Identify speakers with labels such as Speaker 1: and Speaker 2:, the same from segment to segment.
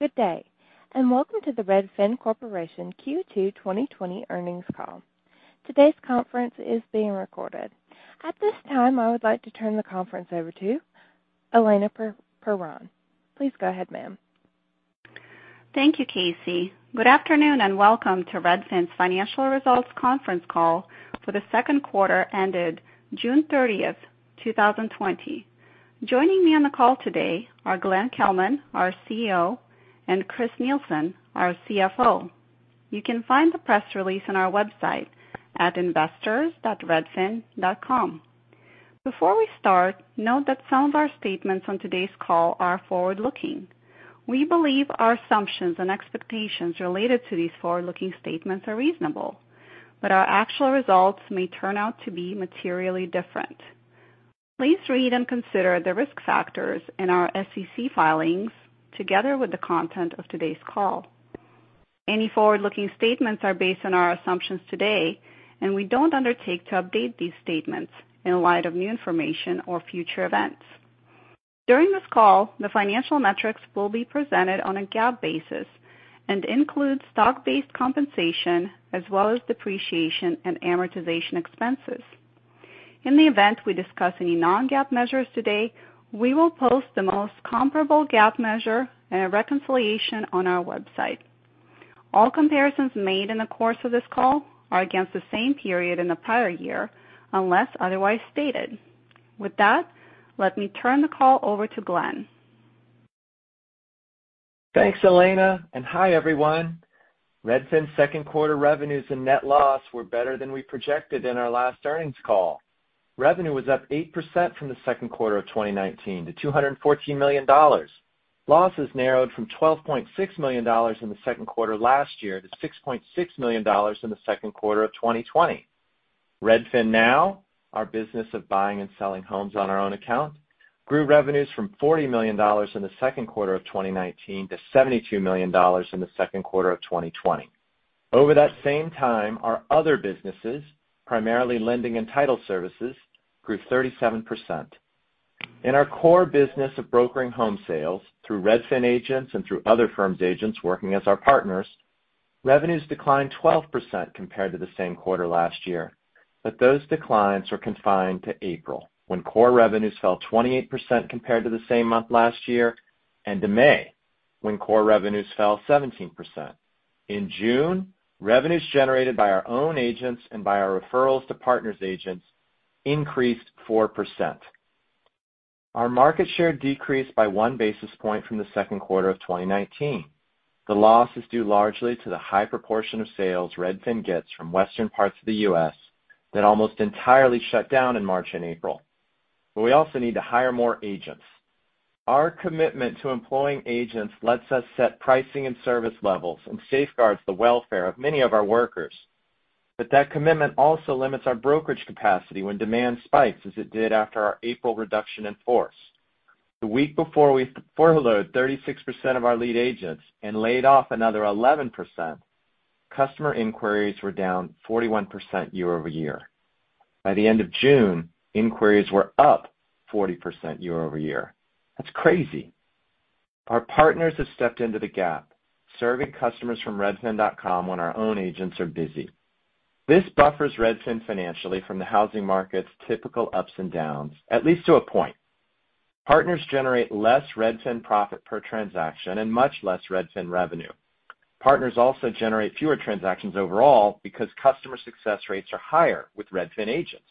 Speaker 1: Good day. Welcome to the Redfin Corporation Q2 2020 Earnings Call. Today's conference is being recorded. At this time, I would like to turn the conference over to Elena Perron. Please go ahead, ma'am.
Speaker 2: Thank you, Casey. Good afternoon, and welcome to Redfin's financial results conference call for the second quarter ended June 30th, 2020. Joining me on the call today are Glenn Kelman, our CEO, and Chris Nielsen, our CFO. You can find the press release on our website at investors.redfin.com. Before we start, note that some of our statements on today's call are forward-looking. We believe our assumptions and expectations related to these forward-looking statements are reasonable, but our actual results may turn out to be materially different. Please read and consider the risk factors in our SEC filings, together with the content of today's call. Any forward-looking statements are based on our assumptions today, and we don't undertake to update these statements in light of new information or future events. During this call, the financial metrics will be presented on a GAAP basis and include stock-based compensation as well as depreciation and amortization expenses. In the event we discuss any non-GAAP measures today, we will post the most comparable GAAP measure and a reconciliation on our website. All comparisons made in the course of this call are against the same period in the prior year, unless otherwise stated. With that, let me turn the call over to Glenn.
Speaker 3: Thanks, Elena. Hi, everyone. Redfin's second quarter revenues and net loss were better than we projected in our last earnings call. Revenue was up 8% from the second quarter of 2019 to $214 million. Losses narrowed from $12.6 million in the second quarter last year to $6.6 million in the second quarter of 2020. RedfinNow, our business of buying and selling homes on our own account, grew revenues from $40 million in the second quarter of 2019 to $72 million in the second quarter of 2020. Over that same time, our other businesses, primarily lending and title services, grew 37%. In our core business of brokering home sales, through Redfin agents and through other firms' agents working as our partners, revenues declined 12% compared to the same quarter last year. Those declines are confined to April, when core revenues fell 28% compared to the same month last year, and to May, when core revenues fell 17%. In June, revenues generated by our own agents and by our referrals to partners' agents increased 4%. Our market share decreased by 1 basis point from the second quarter of 2019. The loss is due largely to the high proportion of sales Redfin gets from Western parts of the U.S. that almost entirely shut down in March and April, but we also need to hire more agents. Our commitment to employing agents lets us set pricing and service levels and safeguards the welfare of many of our workers. That commitment also limits our brokerage capacity when demand spikes, as it did after our April reduction in force. The week before we furloughed 36% of our lead agents and laid off another 11%, customer inquiries were down 41% year-over-year. By the end of June, inquiries were up 40% year-over-year. That's crazy. Our partners have stepped into the gap, serving customers from redfin.com when our own agents are busy. This buffers Redfin financially from the housing market's typical ups and downs, at least to a point. Partners generate less Redfin profit per transaction and much less Redfin revenue. Partners also generate fewer transactions overall because customer success rates are higher with Redfin agents.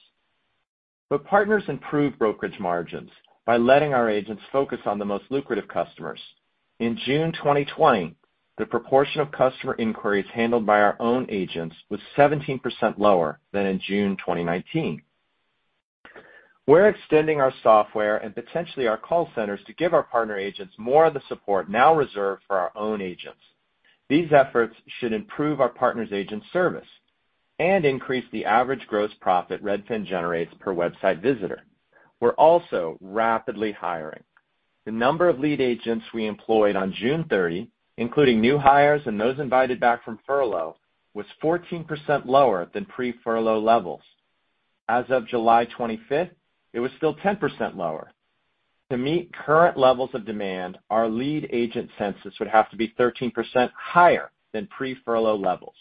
Speaker 3: Partners improve brokerage margins by letting our agents focus on the most lucrative customers. In June 2020, the proportion of customer inquiries handled by our own agents was 17% lower than in June 2019. We're extending our software and potentially our call centers to give our partner agents more of the support now reserved for our own agents. These efforts should improve our partners' agent service and increase the average gross profit Redfin generates per website visitor. We're also rapidly hiring. The number of lead agents we employed on June 30, including new hires and those invited back from furlough, was 14% lower than pre-furlough levels. As of July 25th, it was still 10% lower. To meet current levels of demand, our lead agent census would have to be 13% higher than pre-furlough levels.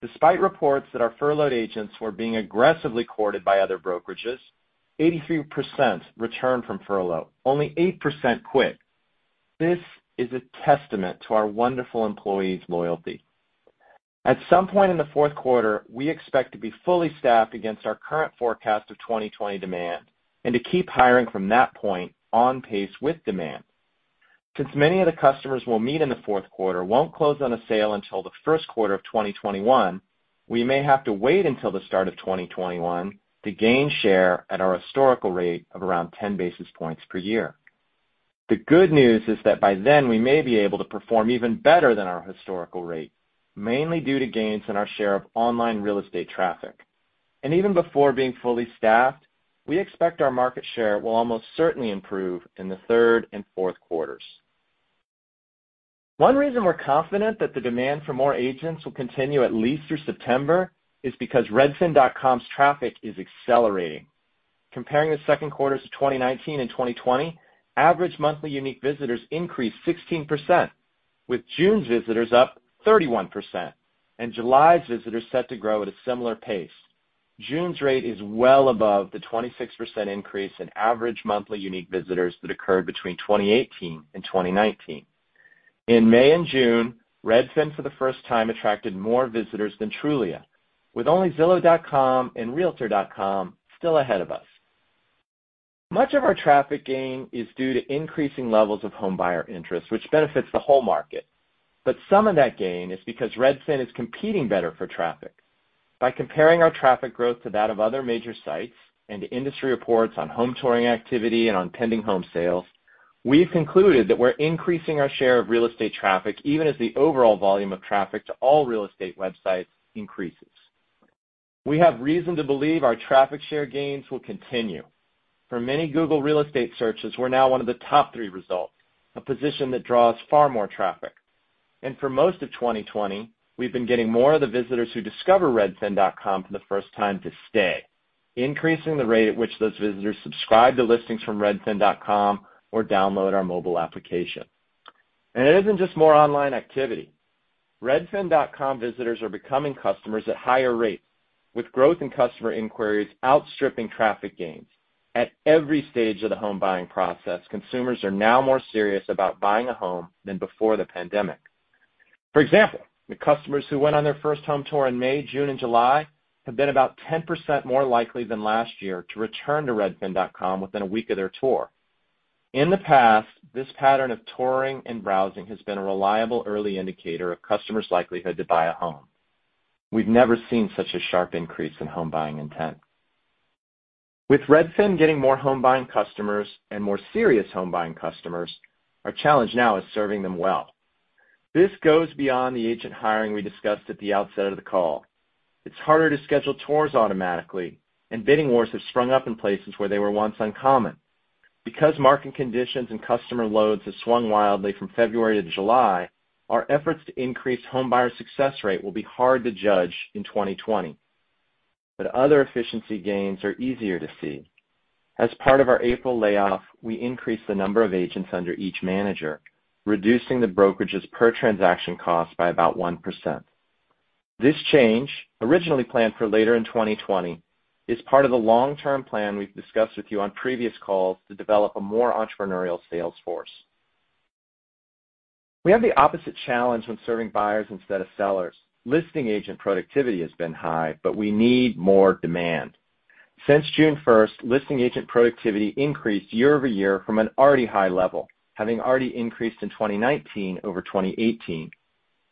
Speaker 3: Despite reports that our furloughed agents were being aggressively courted by other brokerages, 83% returned from furlough. Only 8% quit. This is a testament to our wonderful employees' loyalty. At some point in the fourth quarter, we expect to be fully staffed against our current forecast of 2020 demand and to keep hiring from that point on pace with demand. Since many of the customers we'll meet in the fourth quarter won't close on a sale until the first quarter of 2021, we may have to wait until the start of 2021 to gain share at our historical rate of around 10 basis points per year. The good news is that by then we may be able to perform even better than our historical rate, mainly due to gains in our share of online real estate traffic. Even before being fully staffed, we expect our market share will almost certainly improve in the third and fourth quarters. One reason we're confident that the demand for more agents will continue at least through September is because redfin.com's traffic is accelerating. Comparing the second quarters of 2019 and 2020, average monthly unique visitors increased 16%, with June's visitors up 31% and July's visitors set to grow at a similar pace. June's rate is well above the 26% increase in average monthly unique visitors that occurred between 2018 and 2019. In May and June, Redfin, for the first time, attracted more visitors than Trulia, with only zillow.com and realtor.com still ahead of us. Much of our traffic gain is due to increasing levels of home buyer interest, which benefits the whole market. Some of that gain is because Redfin is competing better for traffic. By comparing our traffic growth to that of other major sites and to industry reports on home touring activity and on pending home sales, we've concluded that we're increasing our share of real estate traffic, even as the overall volume of traffic to all real estate websites increases. We have reason to believe our traffic share gains will continue. For many Google real estate searches, we're now one of the top three results, a position that draws far more traffic. For most of 2020, we've been getting more of the visitors who discover redfin.com for the first time to stay, increasing the rate at which those visitors subscribe to listings from redfin.com or download our mobile application. It isn't just more online activity; redfin.com visitors are becoming customers at higher rates, with growth in customer inquiries outstripping traffic gains. At every stage of the home buying process, consumers are now more serious about buying a home than before the pandemic. For example, the customers who went on their first home tour in May, June, and July have been about 10% more likely than last year to return to redfin.com within a week of their tour. In the past, this pattern of touring and browsing has been a reliable early indicator of customers' likelihood to buy a home. We've never seen such a sharp increase in home buying intent. With Redfin getting more home buying customers and more serious home buying customers, our challenge now is serving them well. This goes beyond the agent hiring we discussed at the outset of the call. It's harder to schedule tours automatically, and bidding wars have sprung up in places where they were once uncommon. Because market conditions and customer loads have swung wildly from February to July, our efforts to increase home buyer success rate will be hard to judge in 2020. Other efficiency gains are easier to see. As part of our April layoff, we increased the number of agents under each manager, reducing the brokerage's per-transaction cost by about 1%. This change, originally planned for later in 2020, is part of the long-term plan we've discussed with you on previous calls to develop a more entrepreneurial sales force. We have the opposite challenge when serving buyers instead of sellers. Listing agent productivity has been high, but we need more demand. Since June 1st, listing agent productivity increased year-over-year from an already high level, having already increased in 2019 over 2018.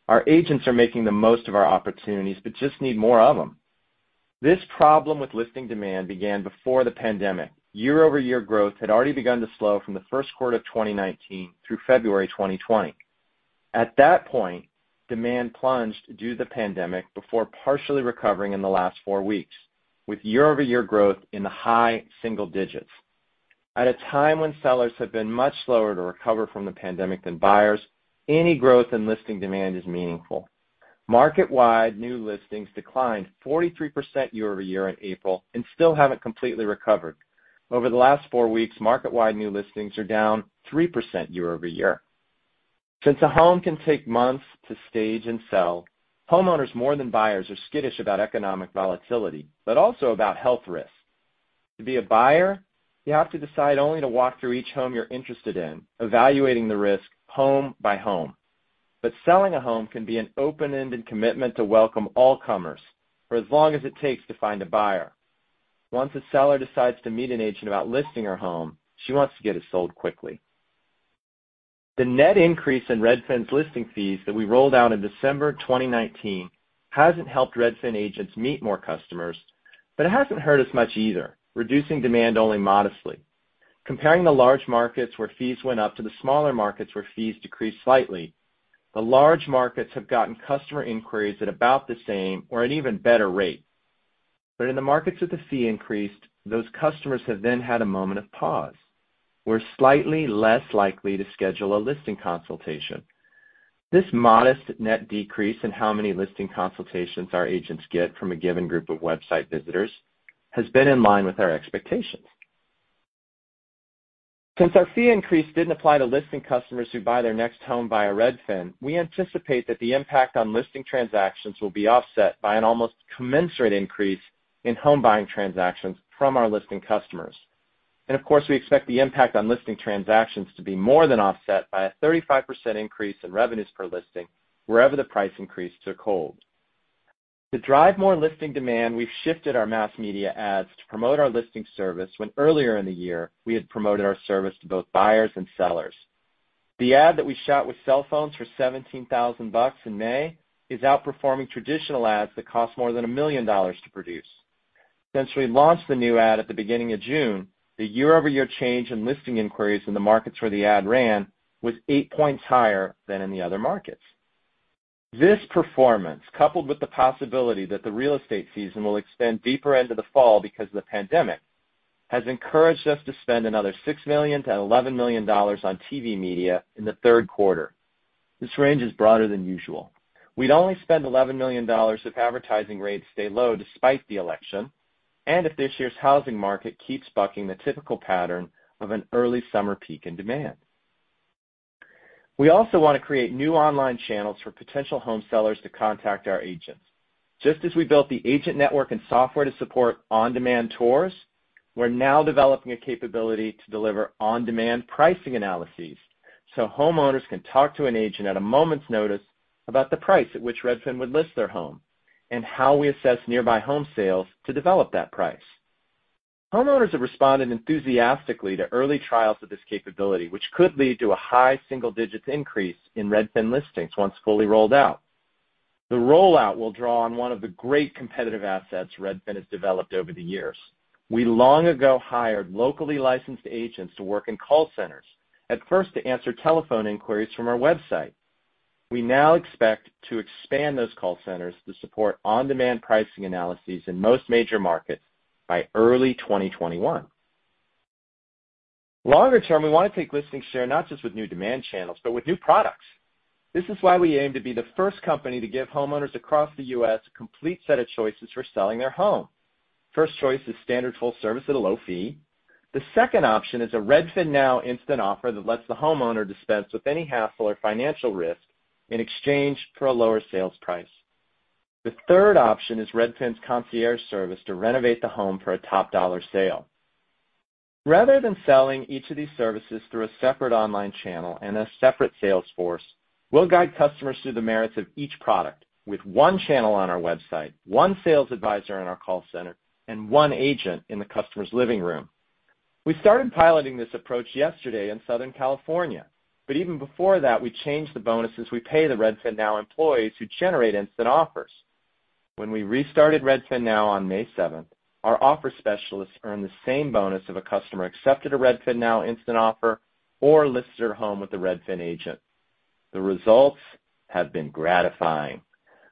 Speaker 3: Our agents are making the most of our opportunities but just need more of them. This problem with listing demand began before the pandemic. Year-over-year growth had already begun to slow from the first quarter of 2019 through February 2020. At that point, demand plunged due to the pandemic before partially recovering in the last four weeks, with year-over-year growth in the high single digits. At a time when sellers have been much slower to recover from the pandemic than buyers, any growth in listing demand is meaningful. Market-wide new listings declined 43% year-over-year in April and still haven't completely recovered. Over the last four weeks, market-wide new listings are down 3% year-over-year. Since a home can take months to stage and sell, homeowners more than buyers are skittish about economic volatility, but also about health risks. To be a buyer, you have to decide only to walk through each home you're interested in, evaluating the risk home by home. Selling a home can be an open-ended commitment to welcome all comers for as long as it takes to find a buyer. Once a seller decides to meet an agent about listing her home, she wants to get it sold quickly. The net increase in Redfin's listing fees that we rolled out in December 2019 hasn't helped Redfin agents meet more customers, but it hasn't hurt as much either, reducing demand only modestly. Comparing the large markets where fees went up to the smaller markets where fees decreased slightly, the large markets have gotten customer inquiries at about the same or an even better rate. In the markets where the fee increased, those customers have then had a moment of pause, were slightly less likely to schedule a listing consultation. This modest net decrease in how many listing consultations our agents get from a given group of website visitors has been in line with our expectations. Since our fee increase didn't apply to listing customers who buy their next home via Redfin, we anticipate that the impact on listing transactions will be offset by an almost commensurate increase in home-buying transactions from our listing customers. Of course, we expect the impact on listing transactions to be more than offset by a 35% increase in revenues per listing wherever the price increases are called. To drive more listing demand, we've shifted our mass media ads to promote our listing service when earlier in the year, we had promoted our service to both buyers and sellers. The ad that we shot with cell phones for $17,000 in May is outperforming traditional ads that cost more than $1 million to produce. Since we launched the new ad at the beginning of June, the year-over-year change in listing inquiries in the markets where the ad ran was eight points higher than in the other markets. This performance, coupled with the possibility that the real estate season will extend deeper into the fall because of the pandemic, has encouraged us to spend another $6 million and $11 million on TV media in the third quarter. This range is broader than usual. We'd only spend $11 million if advertising rates stay low despite the election, and if this year's housing market keeps bucking the typical pattern of an early summer peak in demand. We also want to create new online channels for potential home sellers to contact our agents. Just as we built the agent network and software to support on-demand tours, we're now developing a capability to deliver on-demand pricing analyses so homeowners can talk to an agent at a moment's notice about the price at which Redfin would list their home, and how we assess nearby home sales to develop that price. Homeowners have responded enthusiastically to early trials of this capability, which could lead to a high single-digit increase in Redfin listings once fully rolled out. The rollout will draw on one of the great competitive assets Redfin has developed over the years. We long ago hired locally licensed agents to work in call centers, at first to answer telephone inquiries from our website. We now expect to expand those call centers to support on-demand pricing analyses in most major markets by early 2021. Longer term, we want to take listing share not just with new demand channels, but with new products. This is why we aim to be the first company to give homeowners across the U.S. a complete set of choices for selling their home. First choice is standard full service at a low fee. The second option is a RedfinNow instant offer that lets the homeowner dispense with any hassle or financial risk in exchange for a lower sales price. The third option is Redfin Concierge Service to renovate the home for a top-dollar sale. Rather than selling each of these services through a separate online channel and a separate sales force, we'll guide customers through the merits of each product with one channel on our website, one sales advisor in our call center, and one agent in the customer's living room. We started piloting this approach yesterday in Southern California, but even before that, we changed the bonuses we pay the RedfinNow employees who generate instant offers. When we restarted RedfinNow on May 7th, our offer specialists earned the same bonus if a customer accepted a RedfinNow instant offer or listed their home with a Redfin agent. The results have been gratifying.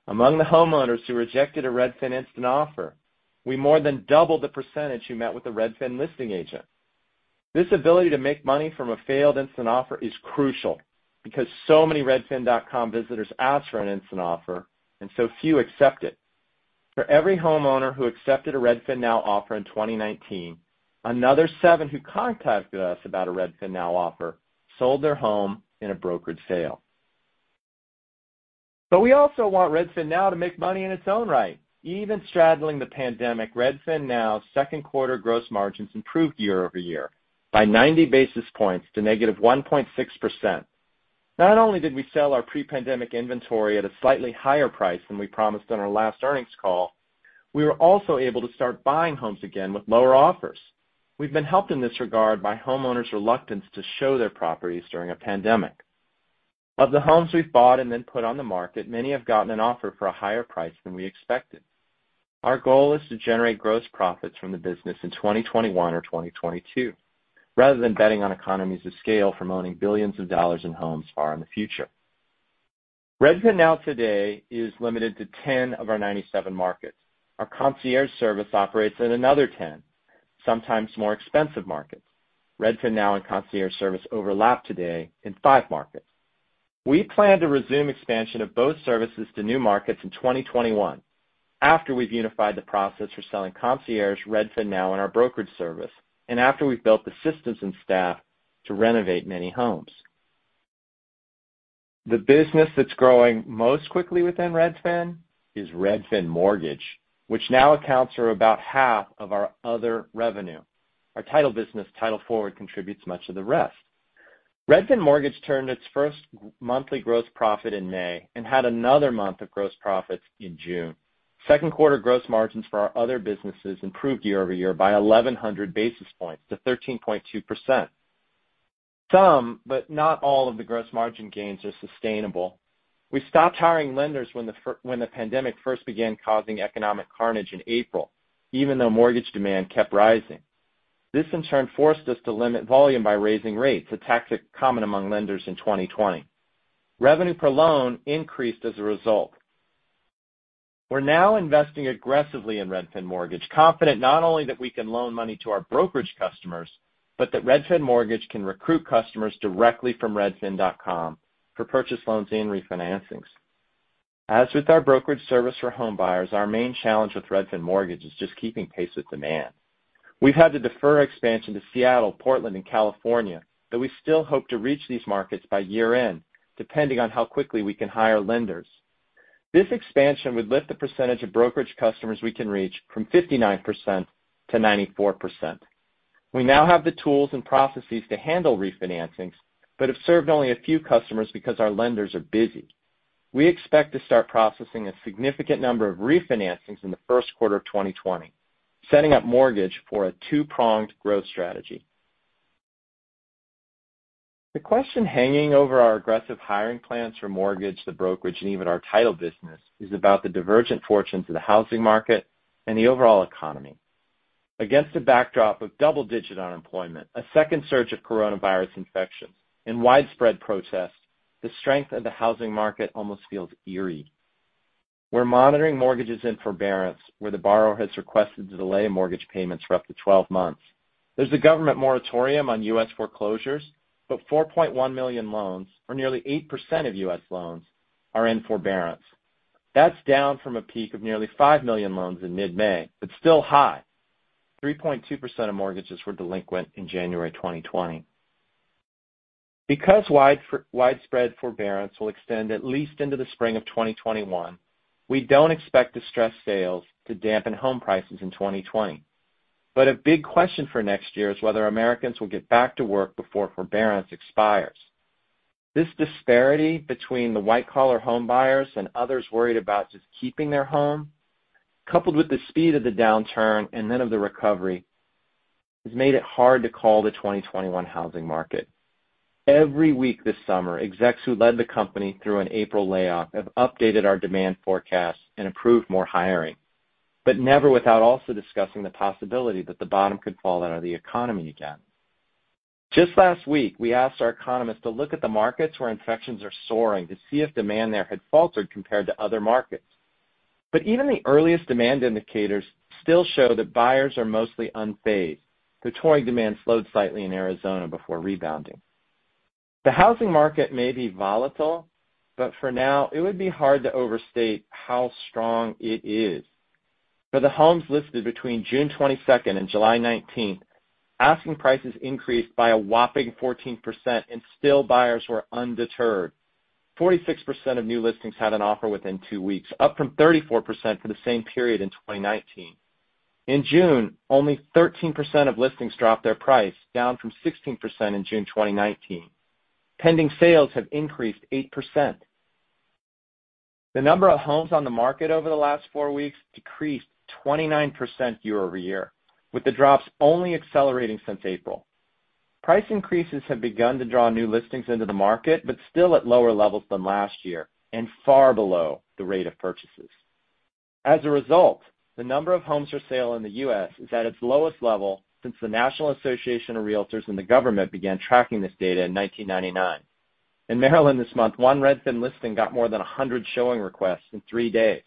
Speaker 3: Among the homeowners who rejected a Redfin instant offer, we more than doubled the percentage who met with a Redfin listing agent. This ability to make money from a failed instant offer is crucial because so many redfin.com visitors ask for an instant offer and so few accept it. For every homeowner who accepted a RedfinNow offer in 2019, another seven who contacted us about a RedfinNow offer sold their home in a brokerage sale. We also want RedfinNow to make money in its own right. Even straddling the pandemic, RedfinNow's second quarter gross margins improved year-over-year by 90 basis points to -1.6%. Not only did we sell our pre-pandemic inventory at a slightly higher price than we promised on our last earnings call, we were also able to start buying homes again with lower offers. We've been helped in this regard by homeowners' reluctance to show their properties during a pandemic. Of the homes we've bought and then put on the market, many have gotten an offer for a higher price than we expected. Our goal is to generate gross profits from the business in 2021 or 2022, rather than betting on economies of scale from owning billions of dollars in homes far in the future. RedfinNow today is limited to 10 of our 97 markets. Our Concierge Service operates in another 10, sometimes more expensive markets. RedfinNow and Concierge Service overlap today in five markets. We plan to resume expansion of both services to new markets in 2021, after we've unified the process for selling Concierge, RedfinNow, and our brokerage service, and after we've built the systems and staff to renovate many homes. The business that's growing most quickly within Redfin is Redfin Mortgage, which now accounts for about 1/2 of our other revenue. Our Title business, Title Forward, contributes much of the rest. Redfin Mortgage turned its first monthly gross profit in May and had another month of gross profits in June. Second quarter gross margins for our other businesses improved year-over-year by 1,100 basis points to 13.2%. Some, but not all of the gross margin gains are sustainable. We stopped hiring lenders when the pandemic first began causing economic carnage in April, even though mortgage demand kept rising. This, in turn, forced us to limit volume by raising rates, a tactic common among lenders in 2020. Revenue per loan increased as a result. We're now investing aggressively in Redfin Mortgage, confident not only that we can loan money to our brokerage customers, but that Redfin Mortgage can recruit customers directly from redfin.com for purchase loans and refinancings. As with our brokerage service for home buyers, our main challenge with Redfin Mortgage is just keeping pace with demand. We've had to defer expansion to Seattle, Portland, and California, but we still hope to reach these markets by year-end, depending on how quickly we can hire lenders. This expansion would lift the percentage of brokerage customers we can reach from 59% to 94%. We now have the tools and processes to handle refinancings, but have served only a few customers because our lenders are busy. We expect to start processing a significant number of refinancings in the first quarter of 2020, setting up Mortgage for a two-pronged growth strategy. The question hanging over our aggressive hiring plans for Mortgage, the brokerage, and even our Title business is about the divergent fortunes of the housing market and the overall economy. Against a backdrop of double-digit unemployment, a second surge of COVID-19 infections, and widespread protests, the strength of the housing market almost feels eerie. We're monitoring mortgages in forbearance, where the borrower has requested to delay mortgage payments for up to 12 months. There's a government moratorium on U.S. foreclosures, but 4.1 million loans, or nearly 8% of U.S. loans, are in forbearance. That's down from a peak of nearly 5 million loans in mid-May, but still high. 3.2% of mortgages were delinquent in January 2020. Because widespread forbearance will extend at least into the spring of 2021, we don't expect distressed sales to dampen home prices in 2020. A big question for next year is whether Americans will get back to work before forbearance expires. This disparity between the white-collar home buyers and others worried about just keeping their home, coupled with the speed of the downturn and then of the recovery, has made it hard to call the 2021 housing market. Every week this summer, execs who led the company through an April layoff have updated our demand forecast and approved more hiring, but never without also discussing the possibility that the bottom could fall out of the economy again. Just last week, we asked our economists to look at the markets where infections are soaring to see if demand there had faltered compared to other markets. Even the earliest demand indicators still show that buyers are mostly unfazed, though touring demand slowed slightly in Arizona before rebounding. The housing market may be volatile, but for now it would be hard to overstate how strong it is. For the homes listed between June 22nd and July 19th, asking prices increased by a whopping 14%, and still buyers were undeterred. 46% of new listings had an offer within two weeks, up from 34% for the same period in 2019. In June, only 13% of listings dropped their price, down from 16% in June 2019. Pending sales have increased 8%. The number of homes on the market over the last four weeks decreased 29% year-over-year, with the drops only accelerating since April. Price increases have begun to draw new listings into the market, but still at lower levels than last year and far below the rate of purchases. The number of homes for sale in the U.S. is at its lowest level since the National Association of Realtors and the government began tracking this data in 1999. In Maryland this month, one Redfin listing got more than 100 showing requests in three days.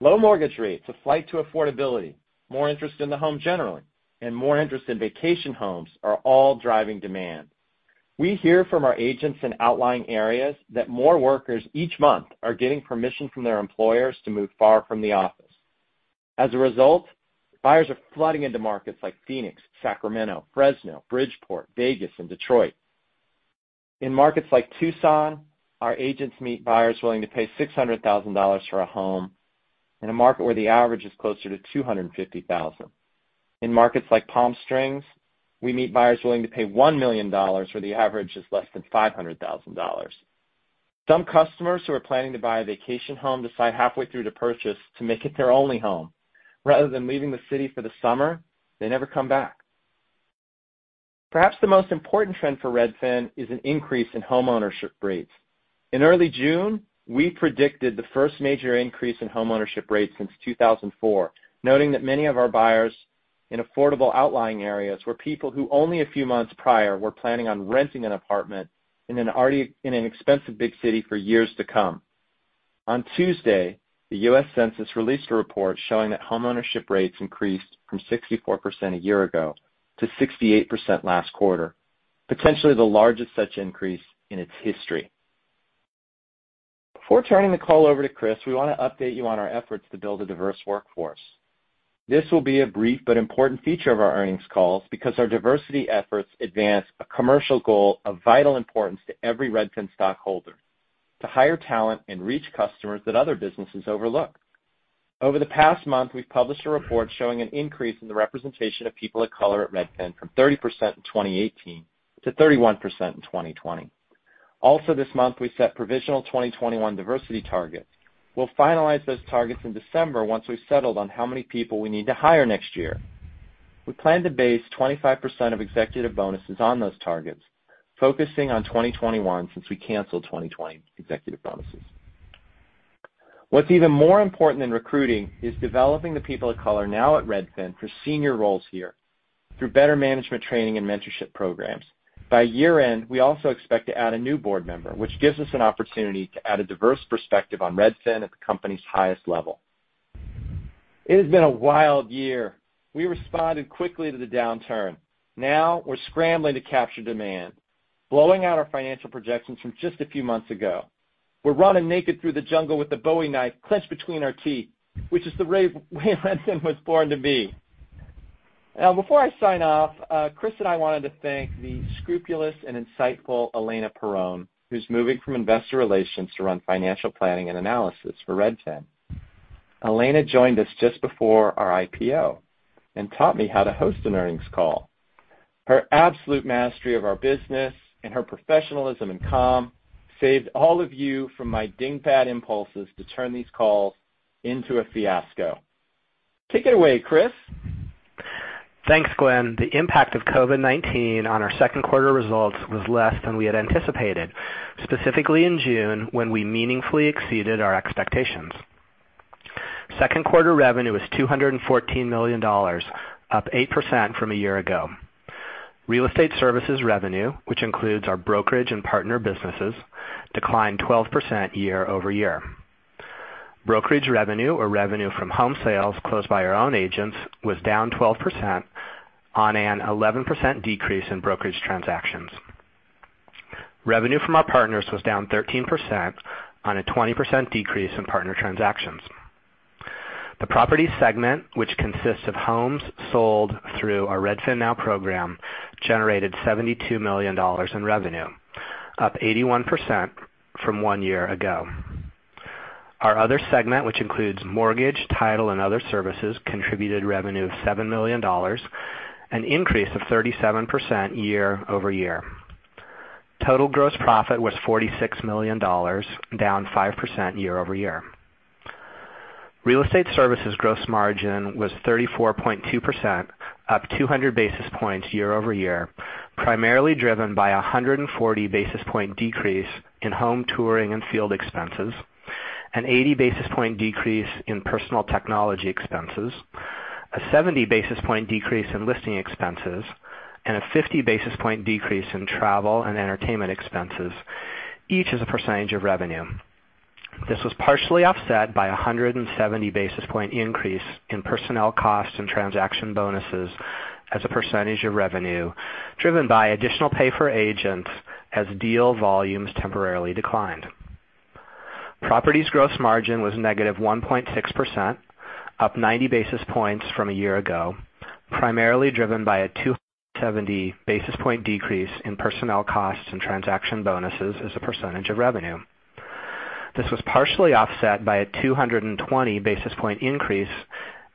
Speaker 3: Low mortgage rates, a flight to affordability, more interest in the home generally, and more interest in vacation homes are all driving demand. We hear from our agents in outlying areas that more workers each month are getting permission from their employers to move far from the office. Buyers are flooding into markets like Phoenix, Sacramento, Fresno, Bridgeport, Vegas, and Detroit. In markets like Tucson, our agents meet buyers willing to pay $600,000 for a home in a market where the average is closer to $250,000. In markets like Palm Springs, we meet buyers willing to pay $1 million, where the average is less than $500,000. Some customers who are planning to buy a vacation home decide halfway through the purchase to make it their only home. Rather than leaving the city for the summer, they never come back. Perhaps the most important trend for Redfin is an increase in homeownership rates. In early June, we predicted the first major increase in homeownership rates since 2004, noting that many of our buyers in affordable outlying areas were people who only a few months prior were planning on renting an apartment in an expensive big city for years to come. On Tuesday, the U.S. Census released a report showing that homeownership rates increased from 64% a year ago to 68% last quarter, potentially the largest such increase in its history. Before turning the call over to Chris, we want to update you on our efforts to build a diverse workforce. This will be a brief but important feature of our earnings calls because our diversity efforts advance a commercial goal of vital importance to every Redfin stockholder: to hire talent and reach customers that other businesses overlook. Over the past month, we've published a report showing an increase in the representation of people of color at Redfin from 30% in 2018 to 31% in 2020. This month, we set provisional 2021 diversity targets. We'll finalize those targets in December once we've settled on how many people we need to hire next year. We plan to base 25% of executive bonuses on those targets, focusing on 2021 since we canceled 2020 executive bonuses. What's even more important than recruiting is developing the people of color now at Redfin for senior roles here through better management training and mentorship programs. By year-end, we also expect to add a new Board Member, which gives us an opportunity to add a diverse perspective on Redfin at the company's highest level. It has been a wild year. We responded quickly to the downturn. Now we're scrambling to capture demand, blowing out our financial projections from just a few months ago. We're running naked through the jungle with a Bowie knife clenched between our teeth, which is the way Redfin was born to be. Now, before I sign off, Chris and I wanted to thank the scrupulous and insightful Elena Perron, who's moving from Investor Relations to run Financial Planning and Analysis for Redfin. Elena joined us just before our IPO and taught me how to host an earnings call. Her absolute mastery of our business and her professionalism and calm saved all of you from my dingbat impulses to turn these calls into a fiasco. Take it away, Chris.
Speaker 4: Thanks, Glenn. The impact of COVID-19 on our second quarter results was less than we had anticipated, specifically in June, when we meaningfully exceeded our expectations. Second quarter revenue was $214 million, up 8% from a year ago. Real estate services revenue, which includes our brokerage and partner businesses, declined 12% year-over-year. Brokerage revenue or revenue from home sales closed by our own agents was down 12% on an 11% decrease in brokerage transactions. Revenue from our partners was down 13% on a 20% decrease in partner transactions. The Property segment, which consists of homes sold through our RedfinNow program, generated $72 million in revenue, up 81% from one year ago. Our other segment, which includes Mortgage, Title, and other services, contributed revenue of $7 million, an increase of 37% year-over-year. Total gross profit was $46 million, down 5% year-over-year. Real estate services gross margin was 34.2%, up 200 basis points year-over-year, primarily driven by 140 basis point decrease in home touring and field expenses, an 80 basis point decrease in personal technology expenses, a 70 basis point decrease in listing expenses, and a 50 basis point decrease in travel and entertainment expenses, each as a percentage of revenue. This was partially offset by 170 basis point increase in personnel costs and transaction bonuses as a percentage of revenue driven by additional pay for agents as deal volumes temporarily declined. Property's gross margin was -1.6%, up 90 basis points from a year ago, primarily driven by a 270 basis point decrease in personnel costs and transaction bonuses as a percentage of revenue. This was partially offset by a 220 basis point increase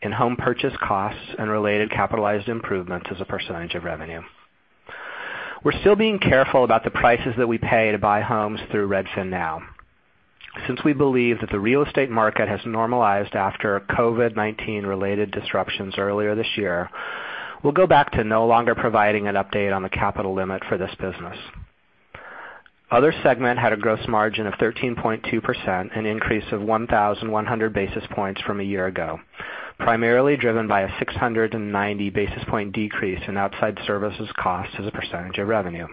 Speaker 4: in home purchase costs and related capitalized improvements as a percentage of revenue. We're still being careful about the prices that we pay to buy homes through RedfinNow. Since we believe that the real estate market has normalized after COVID-19 related disruptions earlier this year, we'll go back to no longer providing an update on the capital limit for this business. Other segment had a gross margin of 13.2%, an increase of 1,100 basis points from a year ago, primarily driven by a 690 basis point decrease in outside services cost as a percentage of revenue.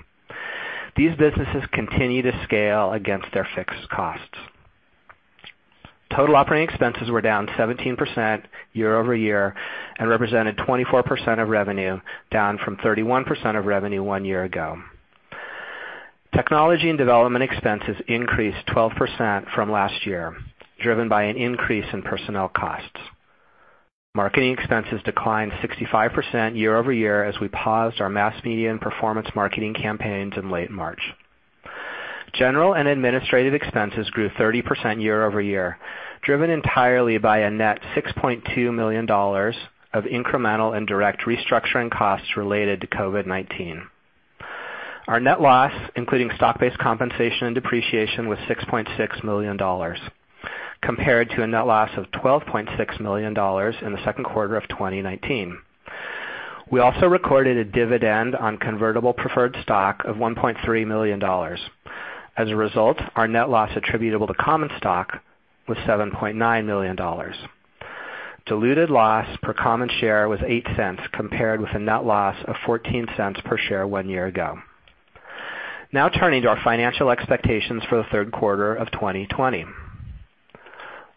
Speaker 4: These businesses continue to scale against their fixed costs. Total operating expenses were down 17% year-over-year and represented 24% of revenue, down from 31% of revenue one year ago. Technology and development expenses increased 12% from last year, driven by an increase in personnel costs. Marketing expenses declined 65% year over year as we paused our mass media and performance marketing campaigns in late March. General and administrative expenses grew 30% year over year, driven entirely by a net $6.2 million of incremental and direct restructuring costs related to COVID-19. Our net loss, including stock-based compensation and depreciation, was $6.6 million, compared to a net loss of $12.6 million in Q2 2019. We also recorded a dividend on convertible preferred stock of $1.3 million. As a result, our net loss attributable to common stock was $7.9 million. Diluted loss per common share was $0.08, compared with a net loss of $0.14 per share one year ago. Now turning to our financial expectations for Q3 2020.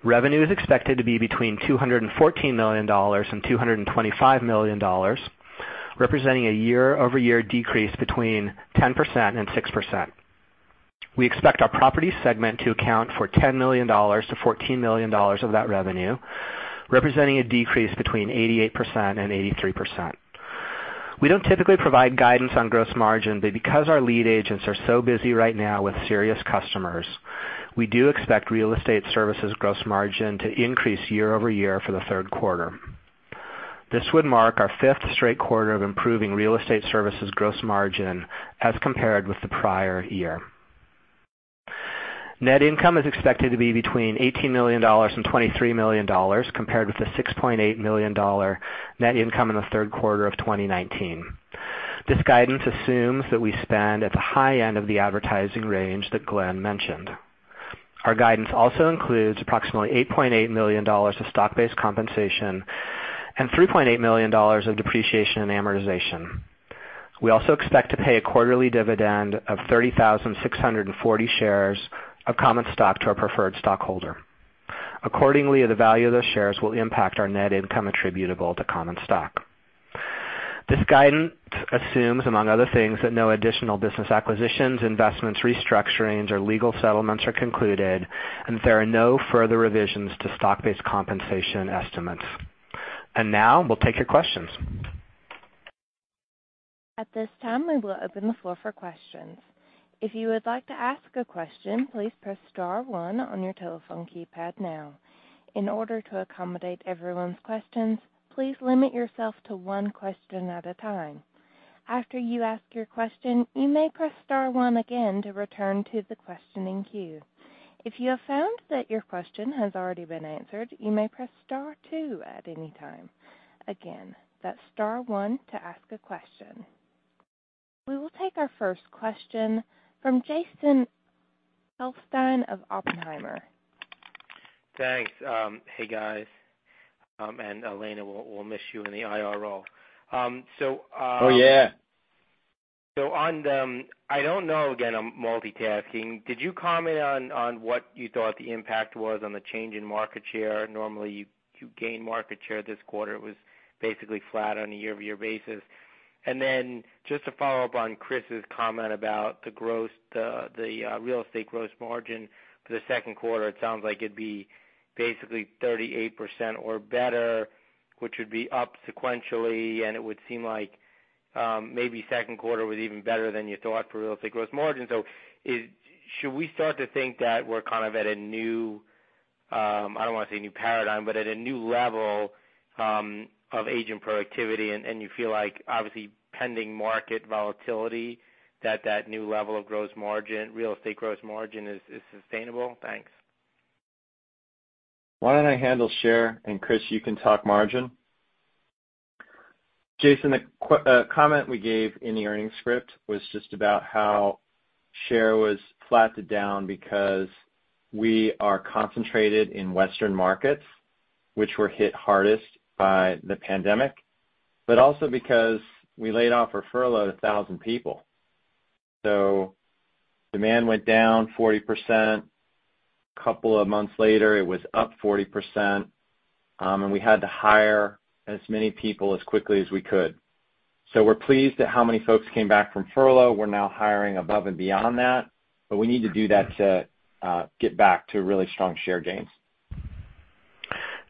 Speaker 4: Revenue is expected to be between $214 million and $225 million, representing a year-over-year decrease between 10% and 6%. We expect our Property segment to account for $10 million-$14 million of that revenue, representing a decrease between 88% and 83%. We don't typically provide guidance on gross margin, because our lead agents are so busy right now with serious customers, we do expect real estate services gross margin to increase year-over-year for the third quarter. This would mark our fifth straight quarter of improving real estate services gross margin as compared with the prior year. Net income is expected to be between $18 million and $23 million, compared with the $6.8 million net income in the third quarter of 2019. This guidance assumes that we spend at the high end of the advertising range that Glenn mentioned. Our guidance also includes approximately $8.8 million of stock-based compensation and $3.8 million of depreciation and amortization. We also expect to pay a quarterly dividend of 30,640 shares of common stock to our preferred stockholder. Accordingly, the value of those shares will impact our net income attributable to common stock. This guidance assumes, among other things, that no additional business acquisitions, investments, restructurings, or legal settlements are concluded and that there are no further revisions to stock-based compensation estimates. Now we'll take your questions.
Speaker 1: At this time, we will open the floor for questions. If you would like to ask a question, please press star one on your telephone keypad now. In order to accommodate everyone's questions, please limit yourself to one question at a time. After you ask your question, you may press star one again to return to the questioning queue. If you have found that your question has already been answered, you may press star two at any time. Again, that's star one to ask a question. We will take our first question from Jason Helfstein of Oppenheimer.
Speaker 5: Thanks. Hey, guys. Elena, we'll miss you in the IRL.
Speaker 3: Oh, yeah.
Speaker 5: On the I don't know, again, I'm multitasking. Did you comment on what you thought the impact was on the change in market share? Normally, you gain market share. This quarter, it was basically flat on a year-over-year basis. Then just to follow up on Chris's comment about the Real Estate gross margin for the second quarter, it sounds like it'd be basically 38% or better, which would be up sequentially, and it would seem like maybe second quarter was even better than you thought for Real Estate gross margin. Should we start to think that we're at a new, I don't want to say a new paradigm, but at a new level of agent productivity, and you feel like, obviously, pending market volatility, that that new level of Real Estate gross margin is sustainable? Thanks.
Speaker 3: Why don't I handle share, and Chris, you can talk margin? Jason, the comment we gave in the earnings script was just about how share was flat to down because we are concentrated in Western markets, which were hit hardest by the pandemic, but also because we laid off or furloughed 1,000 people. Demand went down 40%. A couple of months later, it was up 40%, and we had to hire as many people as quickly as we could. We're pleased at how many folks came back from furlough. We're now hiring above and beyond that, but we need to do that to get back to really strong share gains.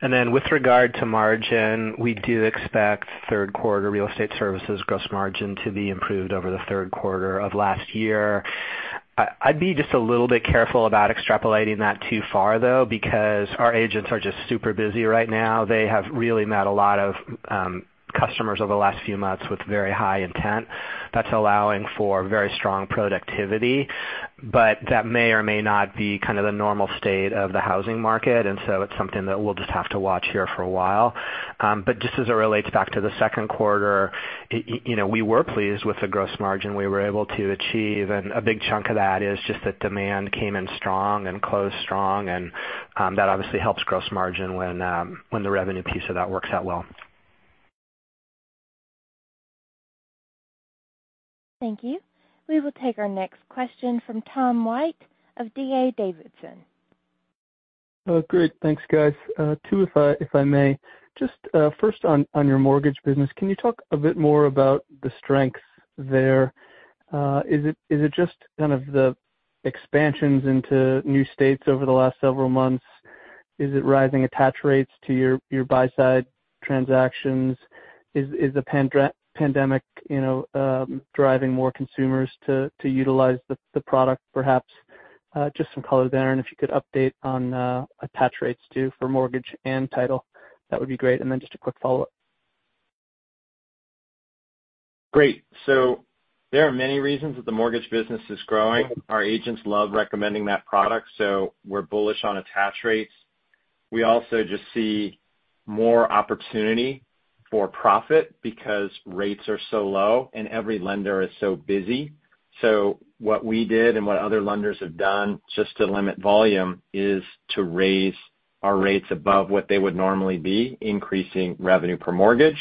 Speaker 4: Then with regard to margin, we do expect third quarter Real Estate services gross margin to be improved over the third quarter of last year. I'd be just a little bit careful about extrapolating that too far, though, because our agents are just super busy right now. They have really met a lot of customers over the last few months with very high intent. That's allowing for very strong productivity. That may or may not be the normal state of the housing market, so it's something that we'll just have to watch here for a while. Just as it relates back to the second quarter, we were pleased with the gross margin we were able to achieve, and a big chunk of that is just that demand came in strong and closed strong, and that obviously helps gross margin when the revenue piece of that works out well.
Speaker 1: Thank you. We will take our next question from Tom White of D.A. Davidson.
Speaker 6: Great. Thanks, guys. Two, if I may. Just first on your Mortgage business, can you talk a bit more about the strength there? Is it just the expansions into new states over the last several months? Is it rising attach rates to your buy-side transactions? Is the pandemic driving more consumers to utilize the product, perhaps? Just some color there, and if you could update on attach rates, too, for Mortgage and Title, that would be great. Just a quick follow-up.
Speaker 3: Great. There are many reasons that the Mortgage business is growing. Our agents love recommending that product, so we're bullish on attach rates. We also just see more opportunity for profit because rates are so low, and every lender is so busy. What we did and what other lenders have done, just to limit volume, is to raise our rates above what they would normally be, increasing revenue per mortgage.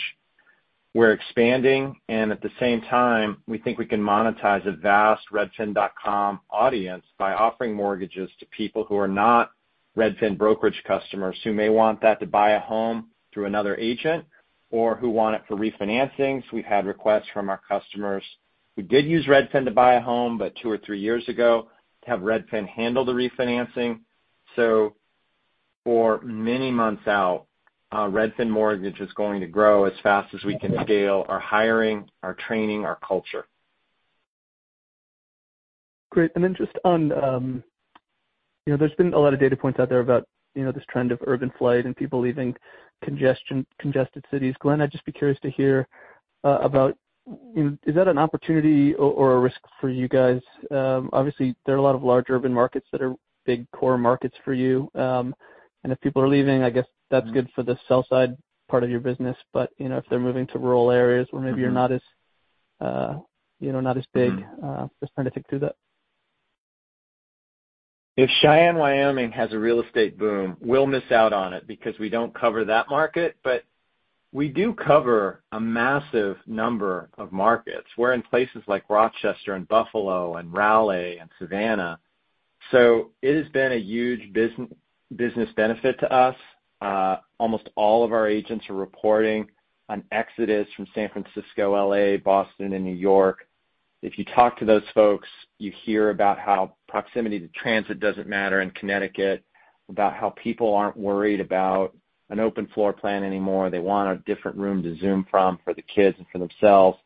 Speaker 3: We're expanding, and at the same time, we think we can monetize a vast redfin.com audience by offering mortgages to people who are not Redfin brokerage customers, who may want that to buy a home through another agent or who want it for refinancing. We've had requests from our customers who did use Redfin to buy a home, but two or three years ago, to have Redfin handle the refinancing. For many months out, Redfin Mortgage is going to grow as fast as we can scale our hiring, our training, our culture.
Speaker 6: Great. There's been a lot of data points out there about this trend of urban flight and people leaving congested cities. Glenn, I'd just be curious to hear about, is that an opportunity or a risk for you guys? Obviously, there are a lot of large urban markets that are big core markets for you. If people are leaving, I guess that's good for the sell-side part of your business. If they're moving to rural areas where maybe you're not as big, just trying to think through that.
Speaker 3: If Cheyenne, Wyoming has a real estate boom, we'll miss out on it because we don't cover that market. We do cover a massive number of markets. We're in places like Rochester and Buffalo and Raleigh and Savannah. It has been a huge business benefit to us. Almost all of our agents are reporting an exodus from San Francisco, L.A., Boston, and New York. If you talk to those folks, you hear about how proximity to transit doesn't matter in Connecticut, about how people aren't worried about an open floor plan anymore. They want a different room to Zoom from for the kids and for themselves.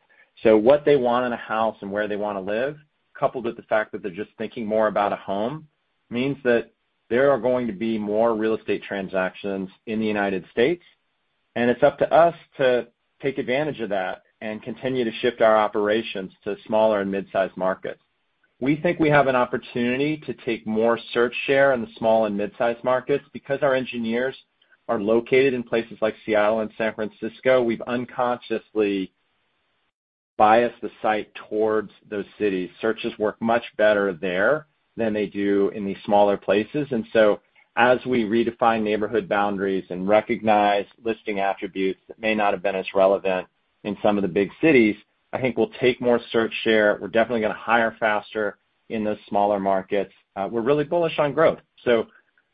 Speaker 3: What they want in a house and where they want to live, coupled with the fact that they're just thinking more about a home means that there are going to be more real estate transactions in the U.S., and it's up to us to take advantage of that and continue to shift our operations to smaller and mid-size markets. We think we have an opportunity to take more search share in the small and mid-size markets. Because our engineers are located in places like Seattle and San Francisco, we've unconsciously biased the site towards those cities. Searches work much better there than they do in these smaller places. As we redefine neighborhood boundaries and recognize listing attributes that may not have been as relevant in some of the big cities, I think we'll take more search share. We're definitely going to hire faster in those smaller markets. We're really bullish on growth.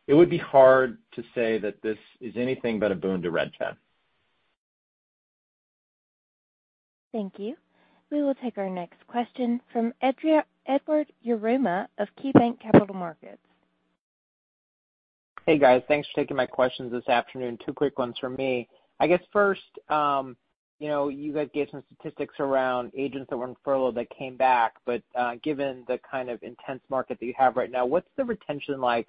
Speaker 3: It would be hard to say that this is anything but a boon to Redfin.
Speaker 1: Thank you. We will take our next question from Edward Yruma of KeyBanc Capital Markets.
Speaker 7: Hey, guys. Thanks for taking my questions this afternoon. Two quick ones from me. I guess, first, you guys gave some statistics around agents that were on furlough that came back. Given the kind of intense market that you have right now, what's the retention like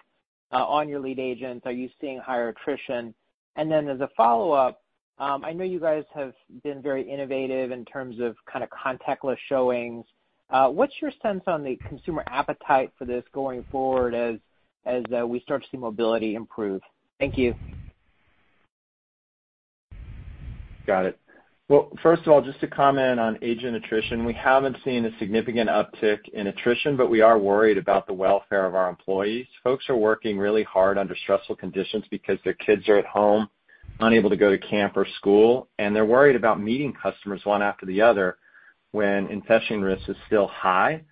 Speaker 7: on your lead agents? Are you seeing higher attrition? As a follow-up, I know you guys have been very innovative in terms of kind of contactless showings. What's your sense on the consumer appetite for this going forward as we start to see mobility improve? Thank you.
Speaker 3: Got it. First of all, just to comment on agent attrition, we haven't seen a significant uptick in attrition, but we are worried about the welfare of our employees. Folks are working really hard under stressful conditions because their kids are at home, unable to go to camp or school, and they're worried about meeting customers one after the other when infection risk is still high.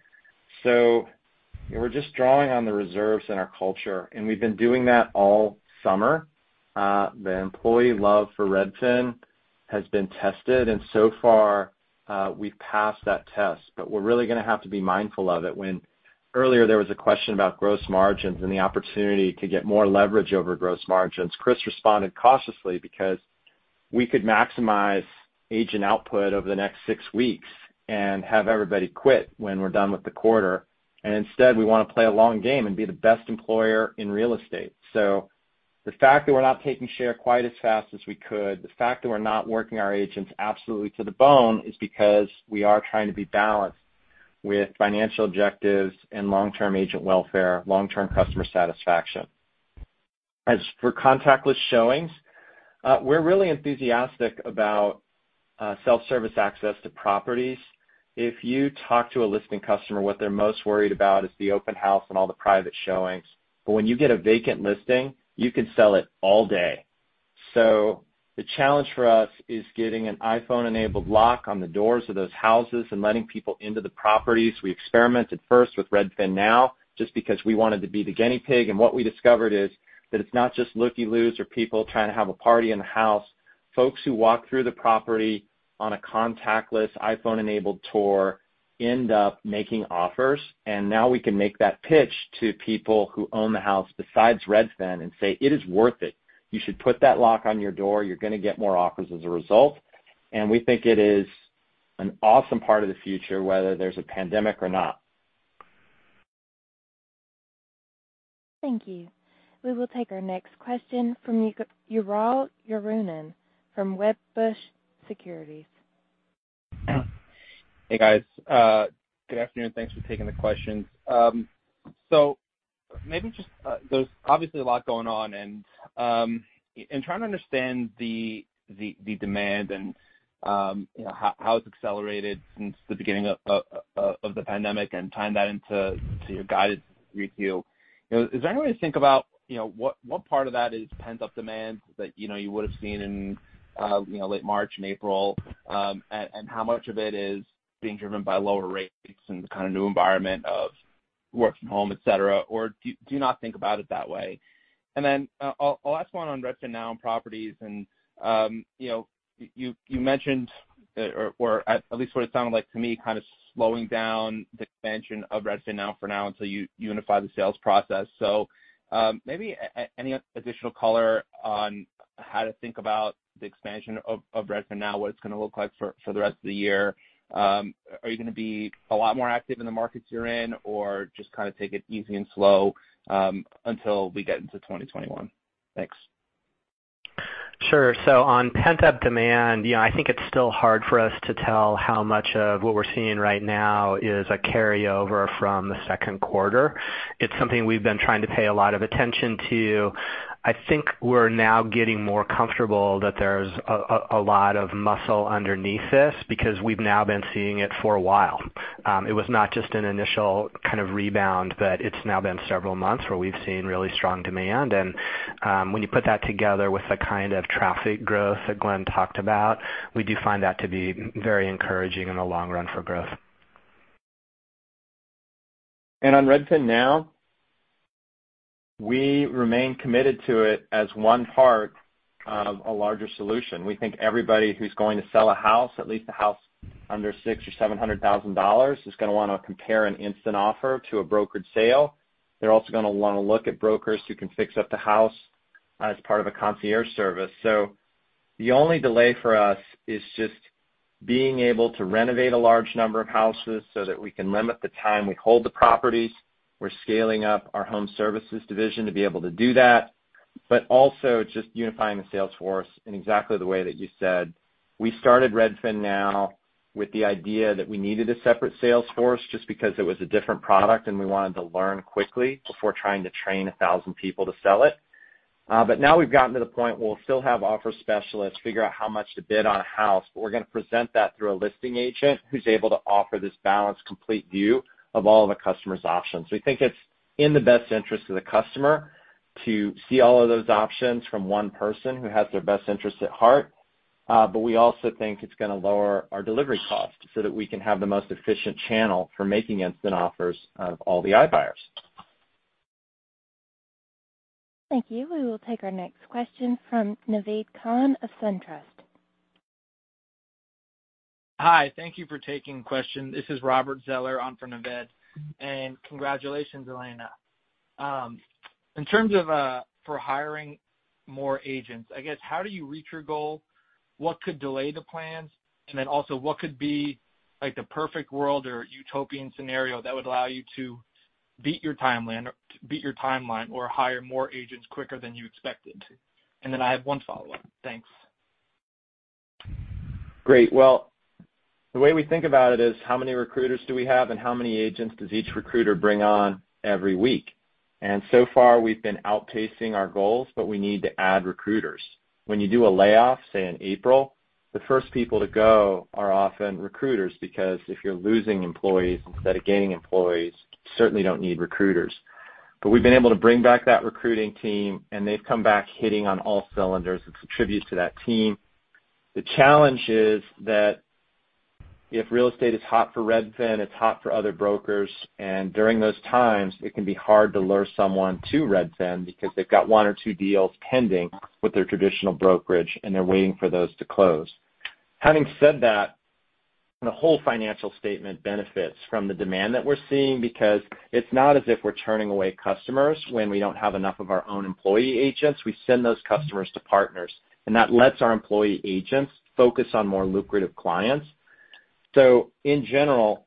Speaker 3: We're just drawing on the reserves in our culture, and we've been doing that all summer. The employee love for Redfin has been tested. So far, we've passed that test. We're really going to have to be mindful of it. When earlier there was a question about gross margins and the opportunity to get more leverage over gross margins, Chris responded cautiously because we could maximize agent output over the next six weeks and have everybody quit when we're done with the quarter. Instead, we want to play a long game and be the best employer in real estate. The fact that we're not taking share quite as fast as we could, the fact that we're not working our agents absolutely to the bone is because we are trying to be balanced with financial objectives and long-term agent welfare, long-term customer satisfaction. As for contactless showings, we're really enthusiastic about self-service access to properties. If you talk to a listing customer, what they're most worried about is the open house and all the private showings. When you get a vacant listing, you can sell it all day. The challenge for us is getting an iPhone-enabled lock on the doors of those houses and letting people into the properties. We experimented first with RedfinNow, just because we wanted to be the guinea pig. What we discovered is that it's not just looky-loos or people trying to have a party in the house. Folks who walk through the property on a contactless iPhone-enabled tour end up making offers. Now we can make that pitch to people who own the house besides Redfin and say, "It is worth it. You should put that lock on your door. You're going to get more offers as a result." We think it is an awesome part of the future, whether there's a pandemic or not.
Speaker 1: Thank you. We will take our next question from Ygal Arounian from Wedbush Securities.
Speaker 8: Hey, guys. Good afternoon. Thanks for taking the questions. There's obviously a lot going on, and trying to understand the demand and how it's accelerated since the beginning of the pandemic and tying that into your guided review. Is there any way to think about what part of that is pent-up demand that you would've seen in late March and April? How much of it is being driven by lower rates and the kind of new environment of work from home, et cetera, or do you not think about it that way? A last one on RedfinNow and properties and you mentioned, or at least what it sounded like to me, kind of slowing down the expansion of RedfinNow for now until you unify the sales process. Maybe any additional color on how to think about the expansion of RedfinNow, what it's going to look like for the rest of the year? Are you going to be a lot more active in the markets you're in, or just kind of take it easy and slow, until we get into 2021? Thanks.
Speaker 4: Sure. On pent-up demand, I think it's still hard for us to tell how much of what we're seeing right now is a carryover from the second quarter. It's something we've been trying to pay a lot of attention to. I think we're now getting more comfortable that there's a lot of muscle underneath this because we've now been seeing it for a while. It was not just an initial kind of rebound, but it's now been several months where we've seen really strong demand. When you put that together with the kind of traffic growth that Glenn talked about, we do find that to be very encouraging in the long run for growth.
Speaker 3: On RedfinNow, we remain committed to it as one part of a larger solution. We think everybody who's going to sell a house, at least a house under $600,000 or $700,000, is going to want to compare an instant offer to a brokered sale. They're also going to want to look at brokers who can fix up the house as part of a concierge service. The only delay for us is just being able to renovate a large number of houses so that we can limit the time we hold the properties. We're scaling up our home services division to be able to do that, but also just unifying the sales force in exactly the way that you said. We started RedfinNow with the idea that we needed a separate sales force just because it was a different product, and we wanted to learn quickly before trying to train 1,000 people to sell it. Now we've gotten to the point, we'll still have offer specialists figure out how much to bid on a house, but we're going to present that through a listing agent who's able to offer this balanced, complete view of all of a customer's options. We think it's in the best interest of the customer to see all of those options from one person who has their best interests at heart. We also think it's going to lower our delivery costs so that we can have the most efficient channel for making instant offers of all the iBuyers.
Speaker 1: Thank you. We will take our next question from Naved Khan of SunTrust.
Speaker 9: Hi. Thank you for taking question. This is Robert Zeller on for Naved. Congratulations, Elena. In terms of for hiring more agents, I guess how do you reach your goal? What could delay the plans? Also, what could be the perfect world or utopian scenario that would allow you to beat your timeline or hire more agents quicker than you expected to? I have one follow-up. Thanks.
Speaker 3: Great. Well, the way we think about it is how many recruiters do we have and how many agents does each recruiter bring on every week. So far, we've been outpacing our goals, but we need to add recruiters. When you do a layoff, say in April, the first people to go are often recruiters because if you're losing employees instead of gaining employees, you certainly don't need recruiters. We've been able to bring back that recruiting team and they've come back hitting on all cylinders. It's a tribute to that team. The challenge is that if real estate is hot for Redfin, it's hot for other brokers, and during those times it can be hard to lure someone to Redfin because they've got one or two deals pending with their traditional brokerage and they're waiting for those to close. Having said that, the whole financial statement benefits from the demand that we're seeing because it's not as if we're turning away customers when we don't have enough of our own employee agents. We send those customers to partners, and that lets our employee agents focus on more lucrative clients. In general,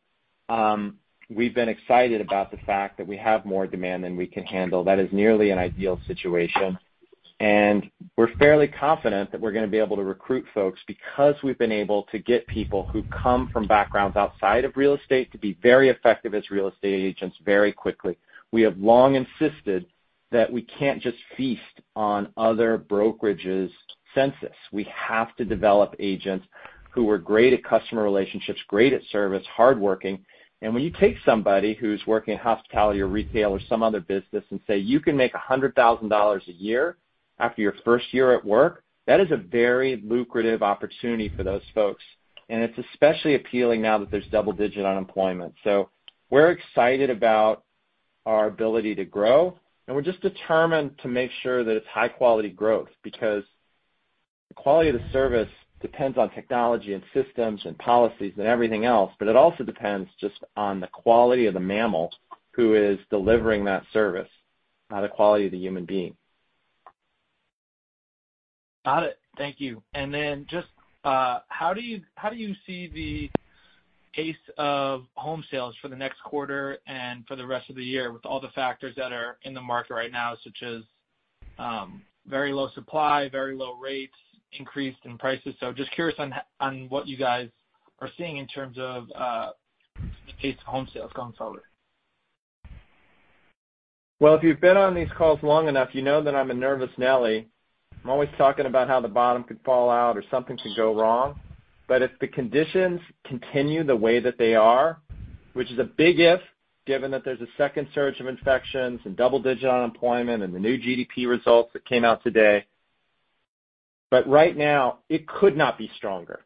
Speaker 3: we've been excited about the fact that we have more demand than we can handle. That is nearly an ideal situation. We're fairly confident that we're going to be able to recruit folks because we've been able to get people who come from backgrounds outside of real estate to be very effective as real estate agents very quickly. We have long insisted that we can't just feast on other brokerages' census. We have to develop agents who are great at customer relationships, great at service, hardworking. When you take somebody who's working in hospitality or retail or some other business and say you can make $100,000 a year after your first year at work, that is a very lucrative opportunity for those folks. It's especially appealing now that there's double-digit unemployment. We're excited about our ability to grow, and we're just determined to make sure that it's high-quality growth because the quality of the service depends on technology and systems and policies and everything else, but it also depends just on the quality of the mammal who is delivering that service, on the quality of the human being.
Speaker 9: Got it. Thank you. Just how do you see the pace of home sales for the next quarter and for the rest of the year with all the factors that are in the market right now, such as very low supply, very low rates, increase in prices? Just curious on what you guys are seeing in terms of the pace of home sales going forward.
Speaker 3: Well, if you've been on these calls long enough, you know that I'm a nervous Nelly. I'm always talking about how the bottom could fall out or something could go wrong. If the conditions continue the way that they are, which is a big if, given that there's a second surge of infections and double-digit unemployment and the new GDP results that came out today. Right now it could not be stronger.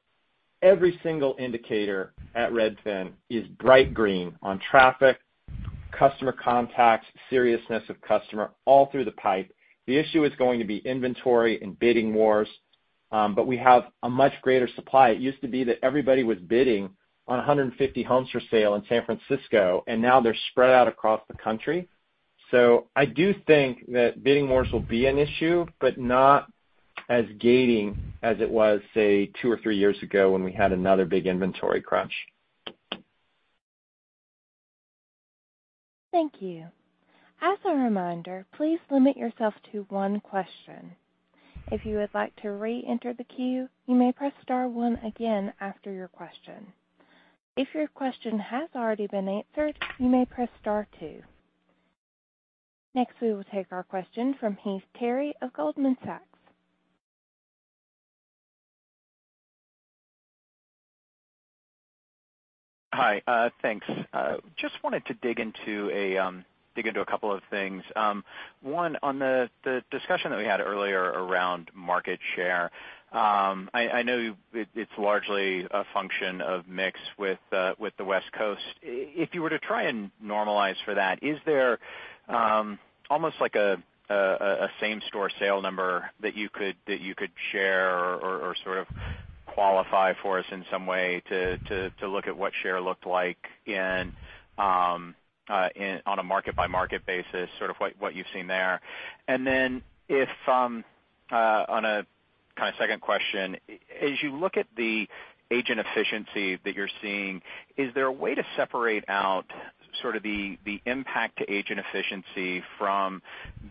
Speaker 3: Every single indicator at Redfin is bright green on traffic, customer contacts, seriousness of customer, all through the pipe. The issue is going to be inventory and bidding wars, but we have a much greater supply. It used to be that everybody was bidding on 150 homes for sale in San Francisco, and now they're spread out across the country. I do think that bidding wars will be an issue, but not as gating as it was, say, two or three years ago when we had another big inventory crunch.
Speaker 1: Thank you. As a reminder, please limit yourself to one question. If you would like to re-enter the queue, you may press star one again after your question. If your question has already been answered, you may press star two. Next, we will take our question from Heath Terry of Goldman Sachs.
Speaker 10: Hi. Thanks. Just wanted to dig into a couple of things. One, on the discussion that we had earlier around market share. I know it's largely a function of mix with the West Coast. If you were to try and normalize for that, is there almost like a same-store sale number that you could share or qualify for us in some way to look at what share looked like on a market-by-market basis, sort of what you've seen there. On a second question, as you look at the agent efficiency that you're seeing, is there a way to separate out the impact to agent efficiency from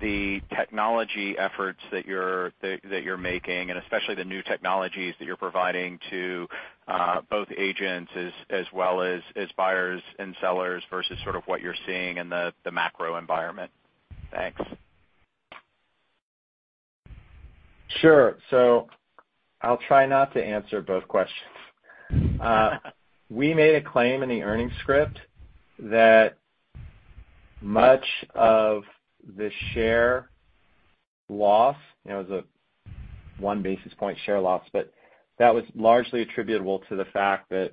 Speaker 10: the technology efforts that you're making, and especially the new technologies that you're providing to both agents as well as buyers and sellers versus what you're seeing in the macro environment? Thanks.
Speaker 3: Sure. I'll try not to answer both questions. We made a claim in the earnings script that much of the share loss, it was a 1 basis point share loss, but that was largely attributable to the fact that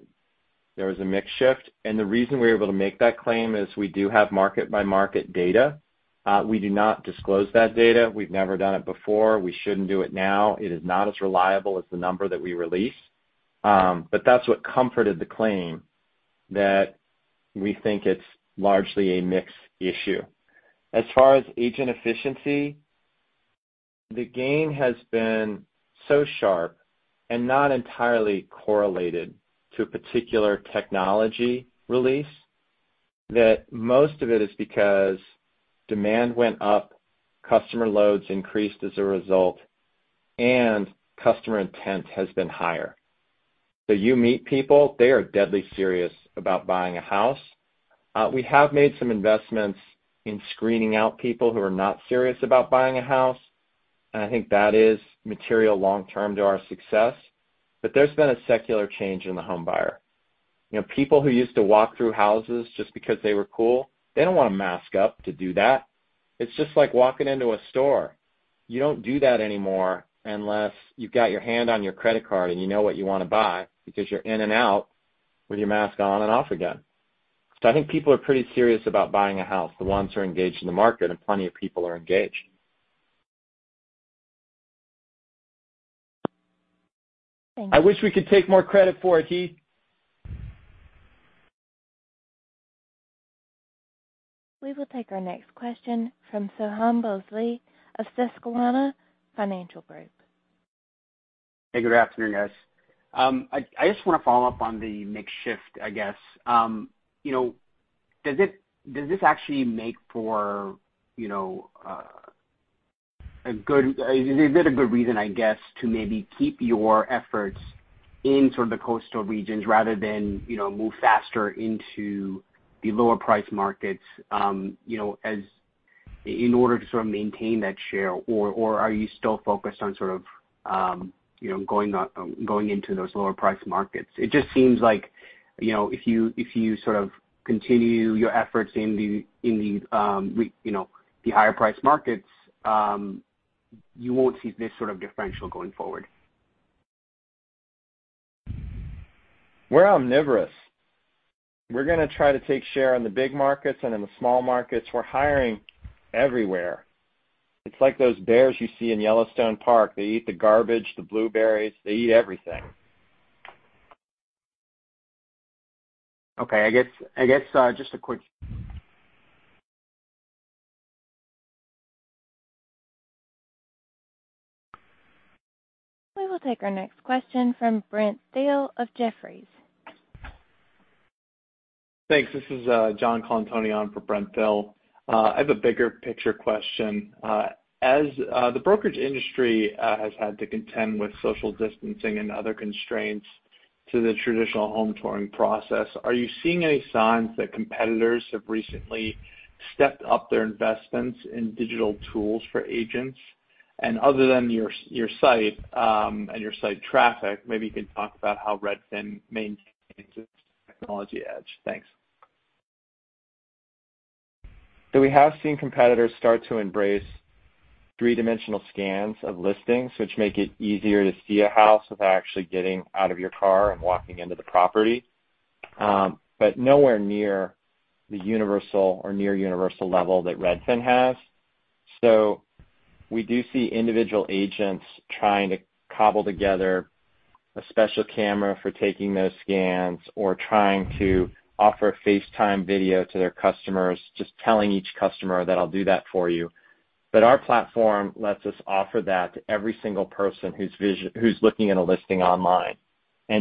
Speaker 3: there was a mix shift. The reason we were able to make that claim is we do have market-by-market data. We do not disclose that data. We've never done it before. We shouldn't do it now. It is not as reliable as the number that we release. That's what comforted the claim that we think it's largely a mix issue. As far as agent efficiency, the gain has been so sharp and not entirely correlated to a particular technology release, that most of it is because demand went up, customer loads increased as a result, and customer intent has been higher. You meet people, they are deadly serious about buying a house. We have made some investments in screening out people who are not serious about buying a house, and I think that is material long term to our success. There's been a secular change in the home buyer. People who used to walk through houses just because they were cool, they don't want to mask up to do that. It's just like walking into a store. You don't do that anymore unless you've got your hand on your credit card and you know what you want to buy, because you're in and out with your mask on and off again. I think people are pretty serious about buying a house, the ones who are engaged in the market, and plenty of people are engaged.
Speaker 10: Thanks.
Speaker 3: I wish we could take more credit for it, Heath.
Speaker 1: We will take our next question from Soham Bhonsle of Susquehanna Financial Group.
Speaker 11: Hey, good afternoon, guys. I just want to follow up on the mix shift, I guess. Does this actually make for a good reason, I guess, to maybe keep your efforts in the coastal regions rather than move faster into the lower price markets in order to maintain that share? Are you still focused on going into those lower price markets? It just seems like if you continue your efforts in the higher priced markets, you won't see this sort of differential going forward.
Speaker 3: We're omnivorous. We're going to try to take share in the big markets and in the small markets. We're hiring everywhere. It's like those bears you see in Yellowstone Park. They eat the garbage, the blueberries, they eat everything.
Speaker 11: Okay.
Speaker 1: We will take our next question from Brent Thill of Jefferies.
Speaker 12: Thanks. This is John Colantuoni on for Brent Thill. I have a bigger picture question. As the brokerage industry has had to contend with social distancing and other constraints to the traditional home touring process, are you seeing any signs that competitors have recently stepped up their investments in digital tools for agents? Other than your site and your site traffic, maybe you can talk about how Redfin maintains its technology edge. Thanks.
Speaker 3: We have seen competitors start to embrace three-dimensional scans of listings, which make it easier to see a house without actually getting out of your car and walking into the property. Nowhere near the universal or near universal level that Redfin has. We do see individual agents trying to cobble together a special camera for taking those scans or trying to offer FaceTime video to their customers, just telling each customer that I'll do that for you. Our platform lets us offer that to every single person who's looking at a listing online.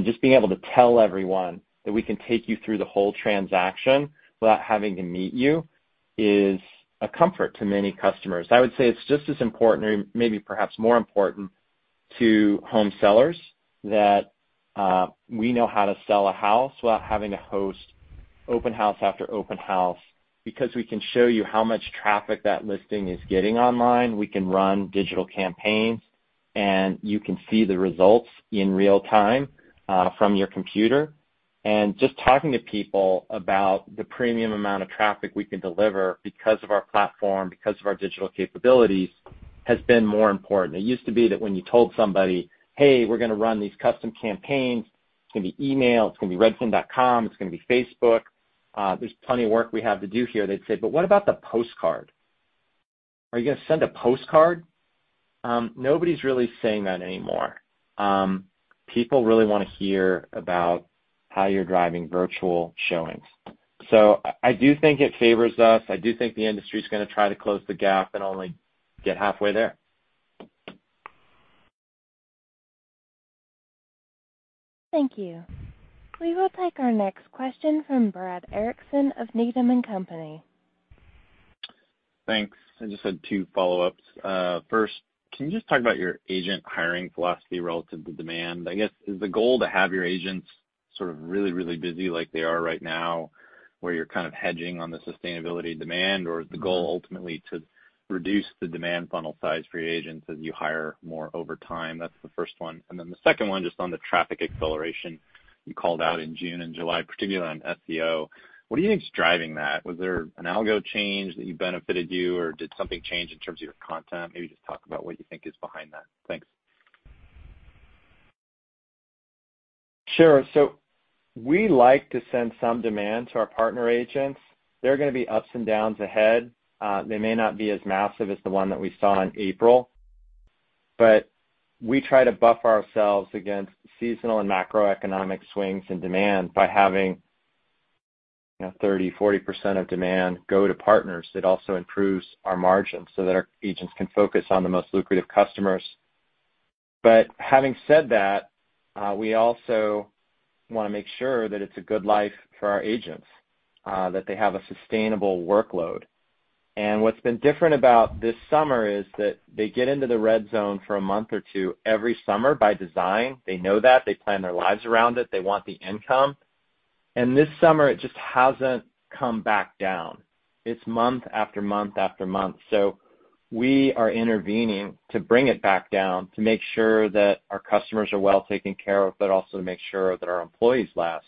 Speaker 3: Just being able to tell everyone that we can take you through the whole transaction without having to meet you is a comfort to many customers. I would say it's just as important or maybe perhaps more important to home sellers that we know how to sell a house without having to host open house after open house, because we can show you how much traffic that listing is getting online. We can run digital campaigns, and you can see the results in real time from your computer. Just talking to people about the premium amount of traffic we can deliver because of our platform, because of our digital capabilities, has been more important. It used to be that when you told somebody, "Hey, we're going to run these custom campaigns. It's going to be email, it's going to be redfin.com, it's going to be Facebook. There's plenty of work we have to do here." They'd say, "But what about the postcard?" Are you going to send a postcard? Nobody's really saying that anymore. People really want to hear about how you're driving virtual showings. I do think it favors us. I do think the industry's going to try to close the gap and only get halfway there.
Speaker 1: Thank you. We will take our next question from Brad Erickson of Needham & Company.
Speaker 13: Thanks. I just had two follow-ups. First, can you just talk about your agent hiring philosophy relative to demand? I guess, is the goal to have your agents sort of really, really busy like they are right now, where you're kind of hedging on the sustainability demand? Or is the goal ultimately to reduce the demand funnel size for your agents as you hire more over time? That's the first one. The second one, just on the traffic acceleration you called out in June and July, particularly on SEO, what do you think is driving that? Was there an algo change that benefited you or did something change in terms of your content? Maybe just talk about what you think is behind that. Thanks.
Speaker 3: Sure. We like to send some demand to our partner agents. There are going to be ups and downs ahead. They may not be as massive as the one that we saw in April, but we try to buffer ourselves against seasonal and macroeconomic swings in demand by having 30%, 40% of demand go to partners. It also improves our margins so that our agents can focus on the most lucrative customers. Having said that, we also want to make sure that it's a good life for our agents, that they have a sustainable workload. What's been different about this summer is that they get into the red zone for a month or two every summer by design. They know that. They plan their lives around it. They want the income. This summer, it just hasn't come back down. It's month after month after month. We are intervening to bring it back down to make sure that our customers are well taken care of, but also to make sure that our employees last.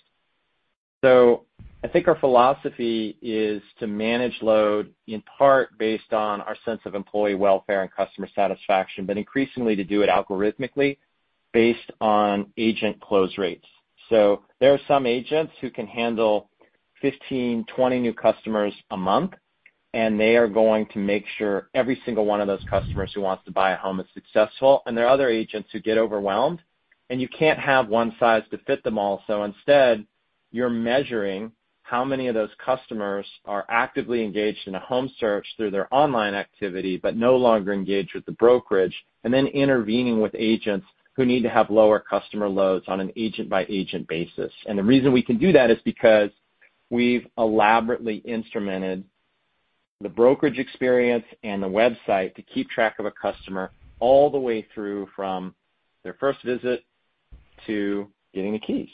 Speaker 3: I think our philosophy is to manage load in part based on our sense of employee welfare and customer satisfaction, but increasingly to do it algorithmically based on agent close rates. There are some agents who can handle 15, 20 new customers a month, and they are going to make sure every single one of those customers who wants to buy a home is successful, and there are other agents who get overwhelmed, and you can't have one size to fit them all. Instead, you're measuring how many of those customers are actively engaged in a home search through their online activity but no longer engaged with the brokerage, and then intervening with agents who need to have lower customer loads on an agent-by-agent basis. The reason we can do that is because we've elaborately instrumented the brokerage experience and the website to keep track of a customer all the way through from their first visit to getting the keys.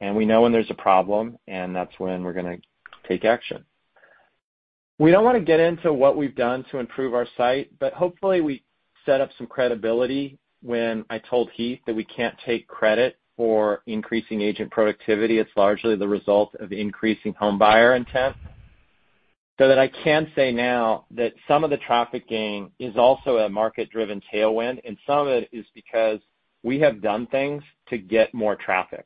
Speaker 3: We know when there's a problem, and that's when we're going to take action. We don't want to get into what we've done to improve our site, but hopefully we set up some credibility when I told Heath that we can't take credit for increasing agent productivity. It's largely the result of increasing home buyer intent. That I can say now that some of the traffic gain is also a market-driven tailwind, and some of it is because we have done things to get more traffic.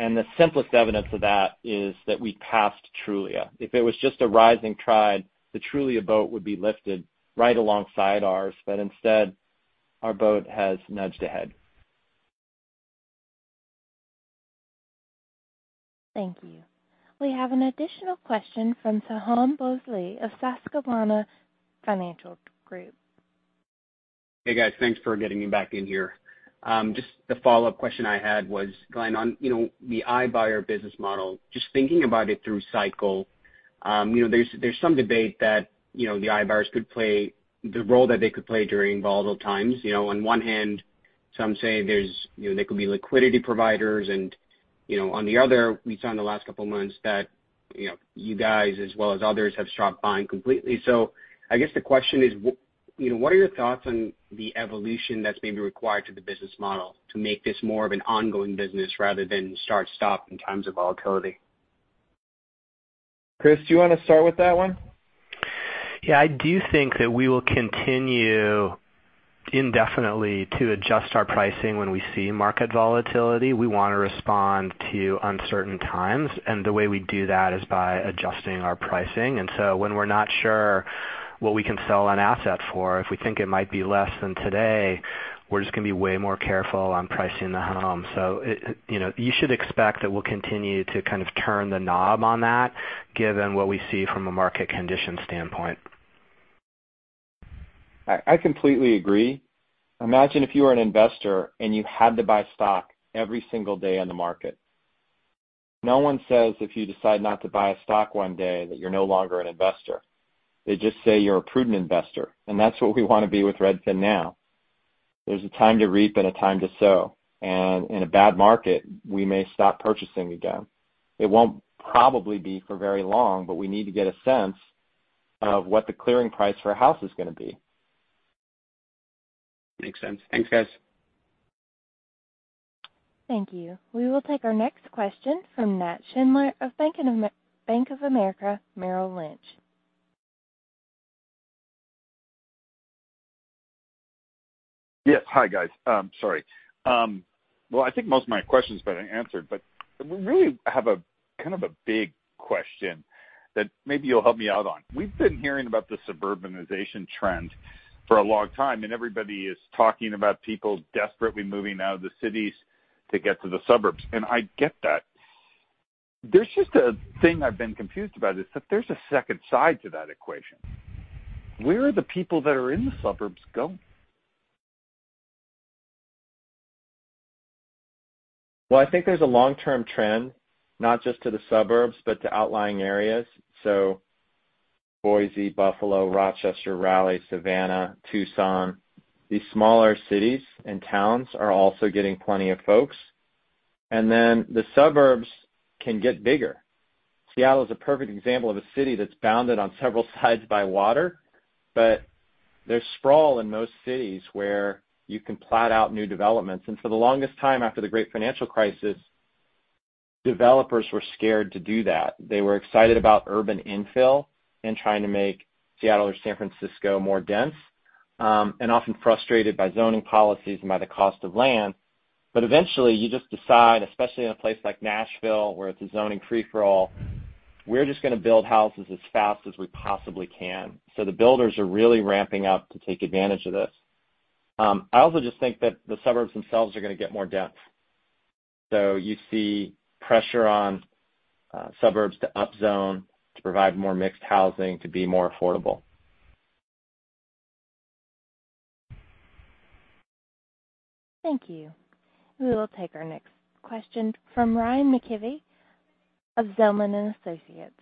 Speaker 3: The simplest evidence of that is that we passed Trulia. If it was just a rising tide, the Trulia boat would be lifted right alongside ours, but instead, our boat has nudged ahead.
Speaker 1: Thank you. We have an additional question from Soham Bhonsle of Susquehanna Financial Group.
Speaker 11: Hey, guys. Thanks for getting me back in here. Just the follow-up question I had was, Glenn, on the iBuyer business model, just thinking about it through cycle, there's some debate that the iBuyers, the role that they could play during volatile times. On one hand, some say they could be liquidity providers and, on the other, we saw in the last couple of months that you guys as well as others have stopped buying completely. I guess the question is what are your thoughts on the evolution that's maybe required to the business model to make this more of an ongoing business rather than start, stop in times of volatility?
Speaker 3: Chris, do you want to start with that one?
Speaker 4: Yeah, I do think that we will continue indefinitely to adjust our pricing when we see market volatility. We want to respond to uncertain times, and the way we do that is by adjusting our pricing. When we're not sure what we can sell an asset for, if we think it might be less than today, we're just going to be way more careful on pricing the home. You should expect that we'll continue to kind of turn the knob on that given what we see from a market condition standpoint.
Speaker 3: I completely agree. Imagine if you were an investor and you had to buy stock every single day on the market. No one says if you decide not to buy a stock one day that you're no longer an investor. They just say you're a prudent investor, and that's what we want to be with RedfinNow. In a bad market, we may stop purchasing again. It won't probably be for very long, but we need to get a sense of what the clearing price for a house is going to be.
Speaker 11: Makes sense. Thanks, guys.
Speaker 1: Thank you. We will take our next question from Nat Schindler of Bank of America Merrill Lynch.
Speaker 14: Yes. Hi, guys. Sorry. Well, I think most of my questions have been answered, but we really have a big question that maybe you'll help me out on. We've been hearing about the suburbanization trend for a long time, and everybody is talking about people desperately moving out of the cities to get to the suburbs, and I get that. There's just a thing I've been confused about, is that there's a second side to that equation. Where are the people that are in the suburbs going?
Speaker 3: I think there's a long-term trend, not just to the suburbs, but to outlying areas. Boise, Buffalo, Rochester, Raleigh, Savannah, Tucson, these smaller cities and towns are also getting plenty of folks. The suburbs can get bigger. Seattle is a perfect example of a city that's bounded on several sides by water, but there's sprawl in most cities where you can plot out new developments. For the longest time after the great financial crisis, developers were scared to do that. They were excited about urban infill and trying to make Seattle or San Francisco more dense, and often frustrated by zoning policies and by the cost of land. Eventually you just decide, especially in a place like Nashville where it's a zoning free-for-all, we're just going to build houses as fast as we possibly can. The builders are really ramping up to take advantage of this. I also just think that the suburbs themselves are going to get more depth. You see pressure on suburbs to upzone, to provide more mixed housing, to be more affordable.
Speaker 1: Thank you. We will take our next question from Ryan McKeveny of Zelman & Associates.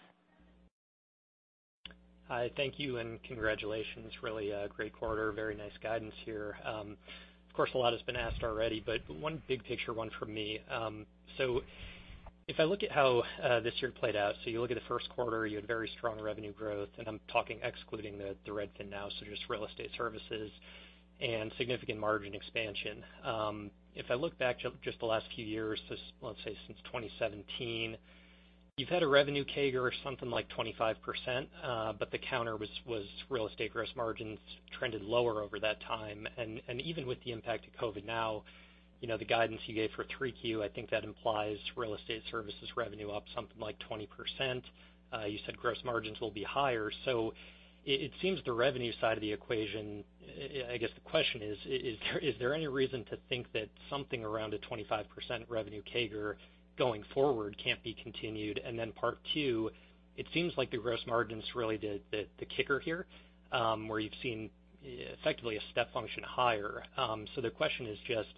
Speaker 15: Hi. Thank you. Congratulations. Really a great quarter. Very nice guidance here. Of course, a lot has been asked already. One big picture one from me. If I look at how this year played out, so you look at the first quarter, you had very strong revenue growth, and I'm talking excluding the RedfinNow, so just real estate services and significant margin expansion. If I look back just the last few years, let's say since 2017, you've had a revenue CAGR or something like 25%. The counter was real estate gross margins trended lower over that time. Even with the impact of COVID-19 now, the guidance you gave for Q3, I think that implies real estate services revenue up something like 20%. You said gross margins will be higher. It seems the revenue side of the equation, I guess the question is there any reason to think that something around a 25% revenue CAGR going forward can't be continued? Part two, it seems like the gross margin's really the kicker here, where you've seen effectively a step function higher. The question is just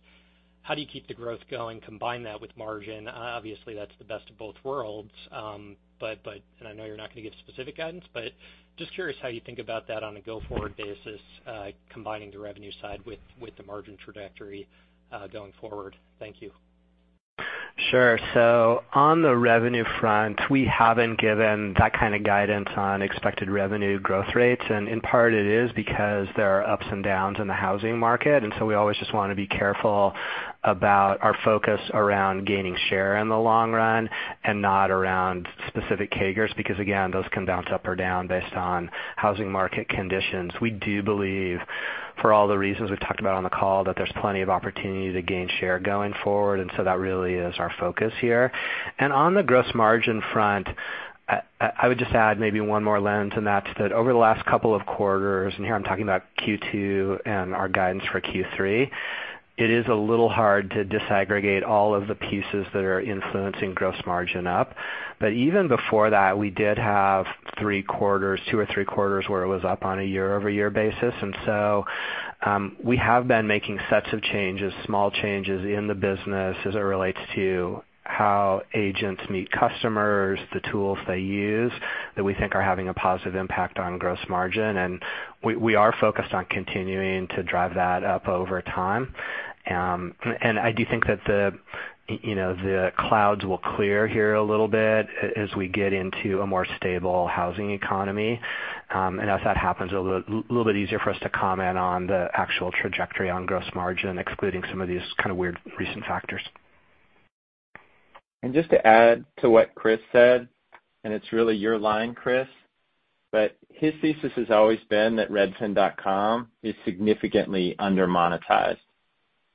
Speaker 15: how do you keep the growth going, combine that with margin? Obviously, that's the best of both worlds. I know you're not going to give specific guidance, but just curious how you think about that on a go-forward basis combining the revenue side with the margin trajectory going forward. Thank you.
Speaker 4: Sure. On the revenue front, we haven't given that kind of guidance on expected revenue growth rates. In part it is because there are ups and downs in the housing market, and so we always just want to be careful about our focus around gaining share in the long run and not around specific CAGRs, because again, those can bounce up or down based on housing market conditions. We do believe, for all the reasons we've talked about on the call, that there's plenty of opportunity to gain share going forward, and so that really is our focus here. On the gross margin front, I would just add maybe one more lens, and that's that over the last couple of quarters, and here I'm talking about Q2 and our guidance for Q3, it is a little hard to disaggregate all of the pieces that are influencing gross margin up. Even before that, we did have two or three quarters where it was up on a year-over-year basis. We have been making sets of changes, small changes in the business as it relates to how agents meet customers, the tools they use that we think are having a positive impact on gross margin, and we are focused on continuing to drive that up over time. I do think that the clouds will clear here a little bit as we get into a more stable housing economy. As that happens, it'll be a little bit easier for us to comment on the actual trajectory on gross margin, excluding some of these kind of weird recent factors.
Speaker 3: Just to add to what Chris said, and it's really your line, Chris, but his thesis has always been that redfin.com is significantly under-monetized,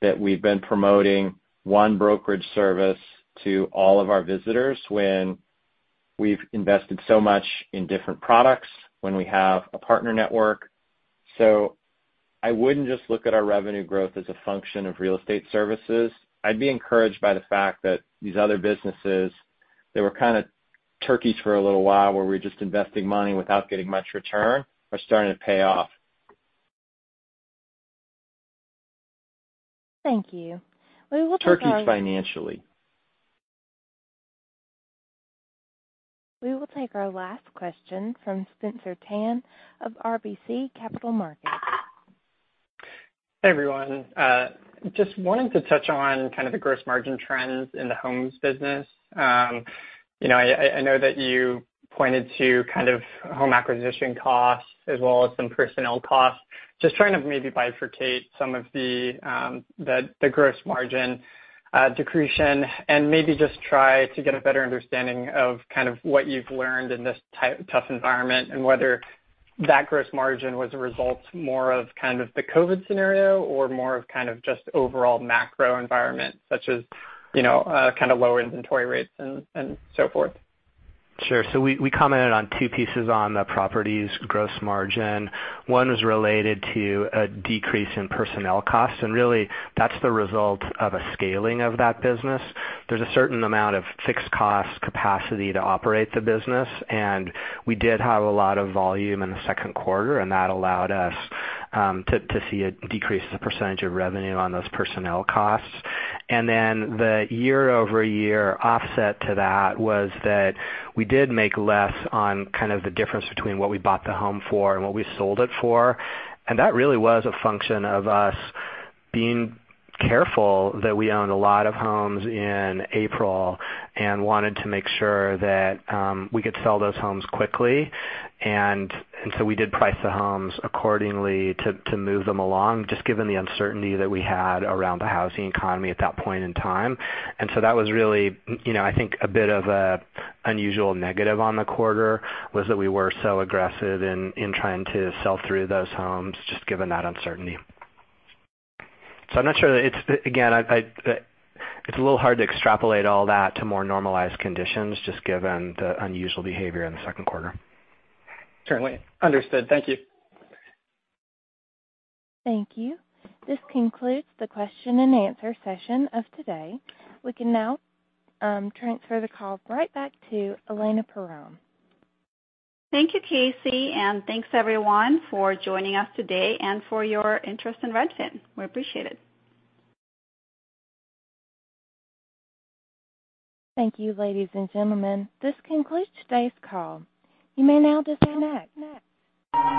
Speaker 3: that we've been promoting one brokerage service to all of our visitors when we've invested so much in different products, when we have a partner network. I wouldn't just look at our revenue growth as a function of real estate services. I'd be encouraged by the fact that these other businesses that were kind of turkeys for a little while, where we were just investing money without getting much return, are starting to pay off.
Speaker 1: Thank you. We will take our-
Speaker 3: Turkeys financially.
Speaker 1: We will take our last question from Spencer Tan of RBC Capital Markets.
Speaker 16: Hey, everyone. Just wanted to touch on kind of the gross margin trends in the homes business. I know that you pointed to home acquisition costs as well as some personnel costs. Just trying to maybe bifurcate some of the gross margin decreation and maybe just try to get a better understanding of what you've learned in this tough environment and whether that gross margin was a result more of kind of the COVID-19 scenario or more of kind of just overall macro environment, such as, kind of lower inventory rates and so forth?
Speaker 4: Sure. We commented on two pieces on the properties gross margin. One was related to a decrease in personnel costs, really, that's the result of a scaling of that business. There's a certain amount of fixed cost capacity to operate the business, we did have a lot of volume in the second quarter, that allowed us to see a decrease in the percentage of revenue on those personnel costs. The year-over-year offset to that was that we did make less on kind of the difference between what we bought the home for and what we sold it for. That really was a function of us being careful that we owned a lot of homes in April and wanted to make sure that we could sell those homes quickly. We did price the homes accordingly to move them along, just given the uncertainty that we had around the housing economy at that point in time. That was really, I think, a bit of an unusual negative on the quarter, was that we were so aggressive in trying to sell through those homes, just given that uncertainty. I'm not sure that it's. Again, it's a little hard to extrapolate all that to more normalized conditions, just given the unusual behavior in the second quarter.
Speaker 16: Certainly. Understood. Thank you.
Speaker 1: Thank you. This concludes the question-and-answer session of today. We can now transfer the call right back to Elena Perron.
Speaker 2: Thank you, Casey, and thanks everyone for joining us today and for your interest in Redfin. We appreciate it.
Speaker 1: Thank you, ladies and gentlemen. This concludes today's call. You may now disconnect.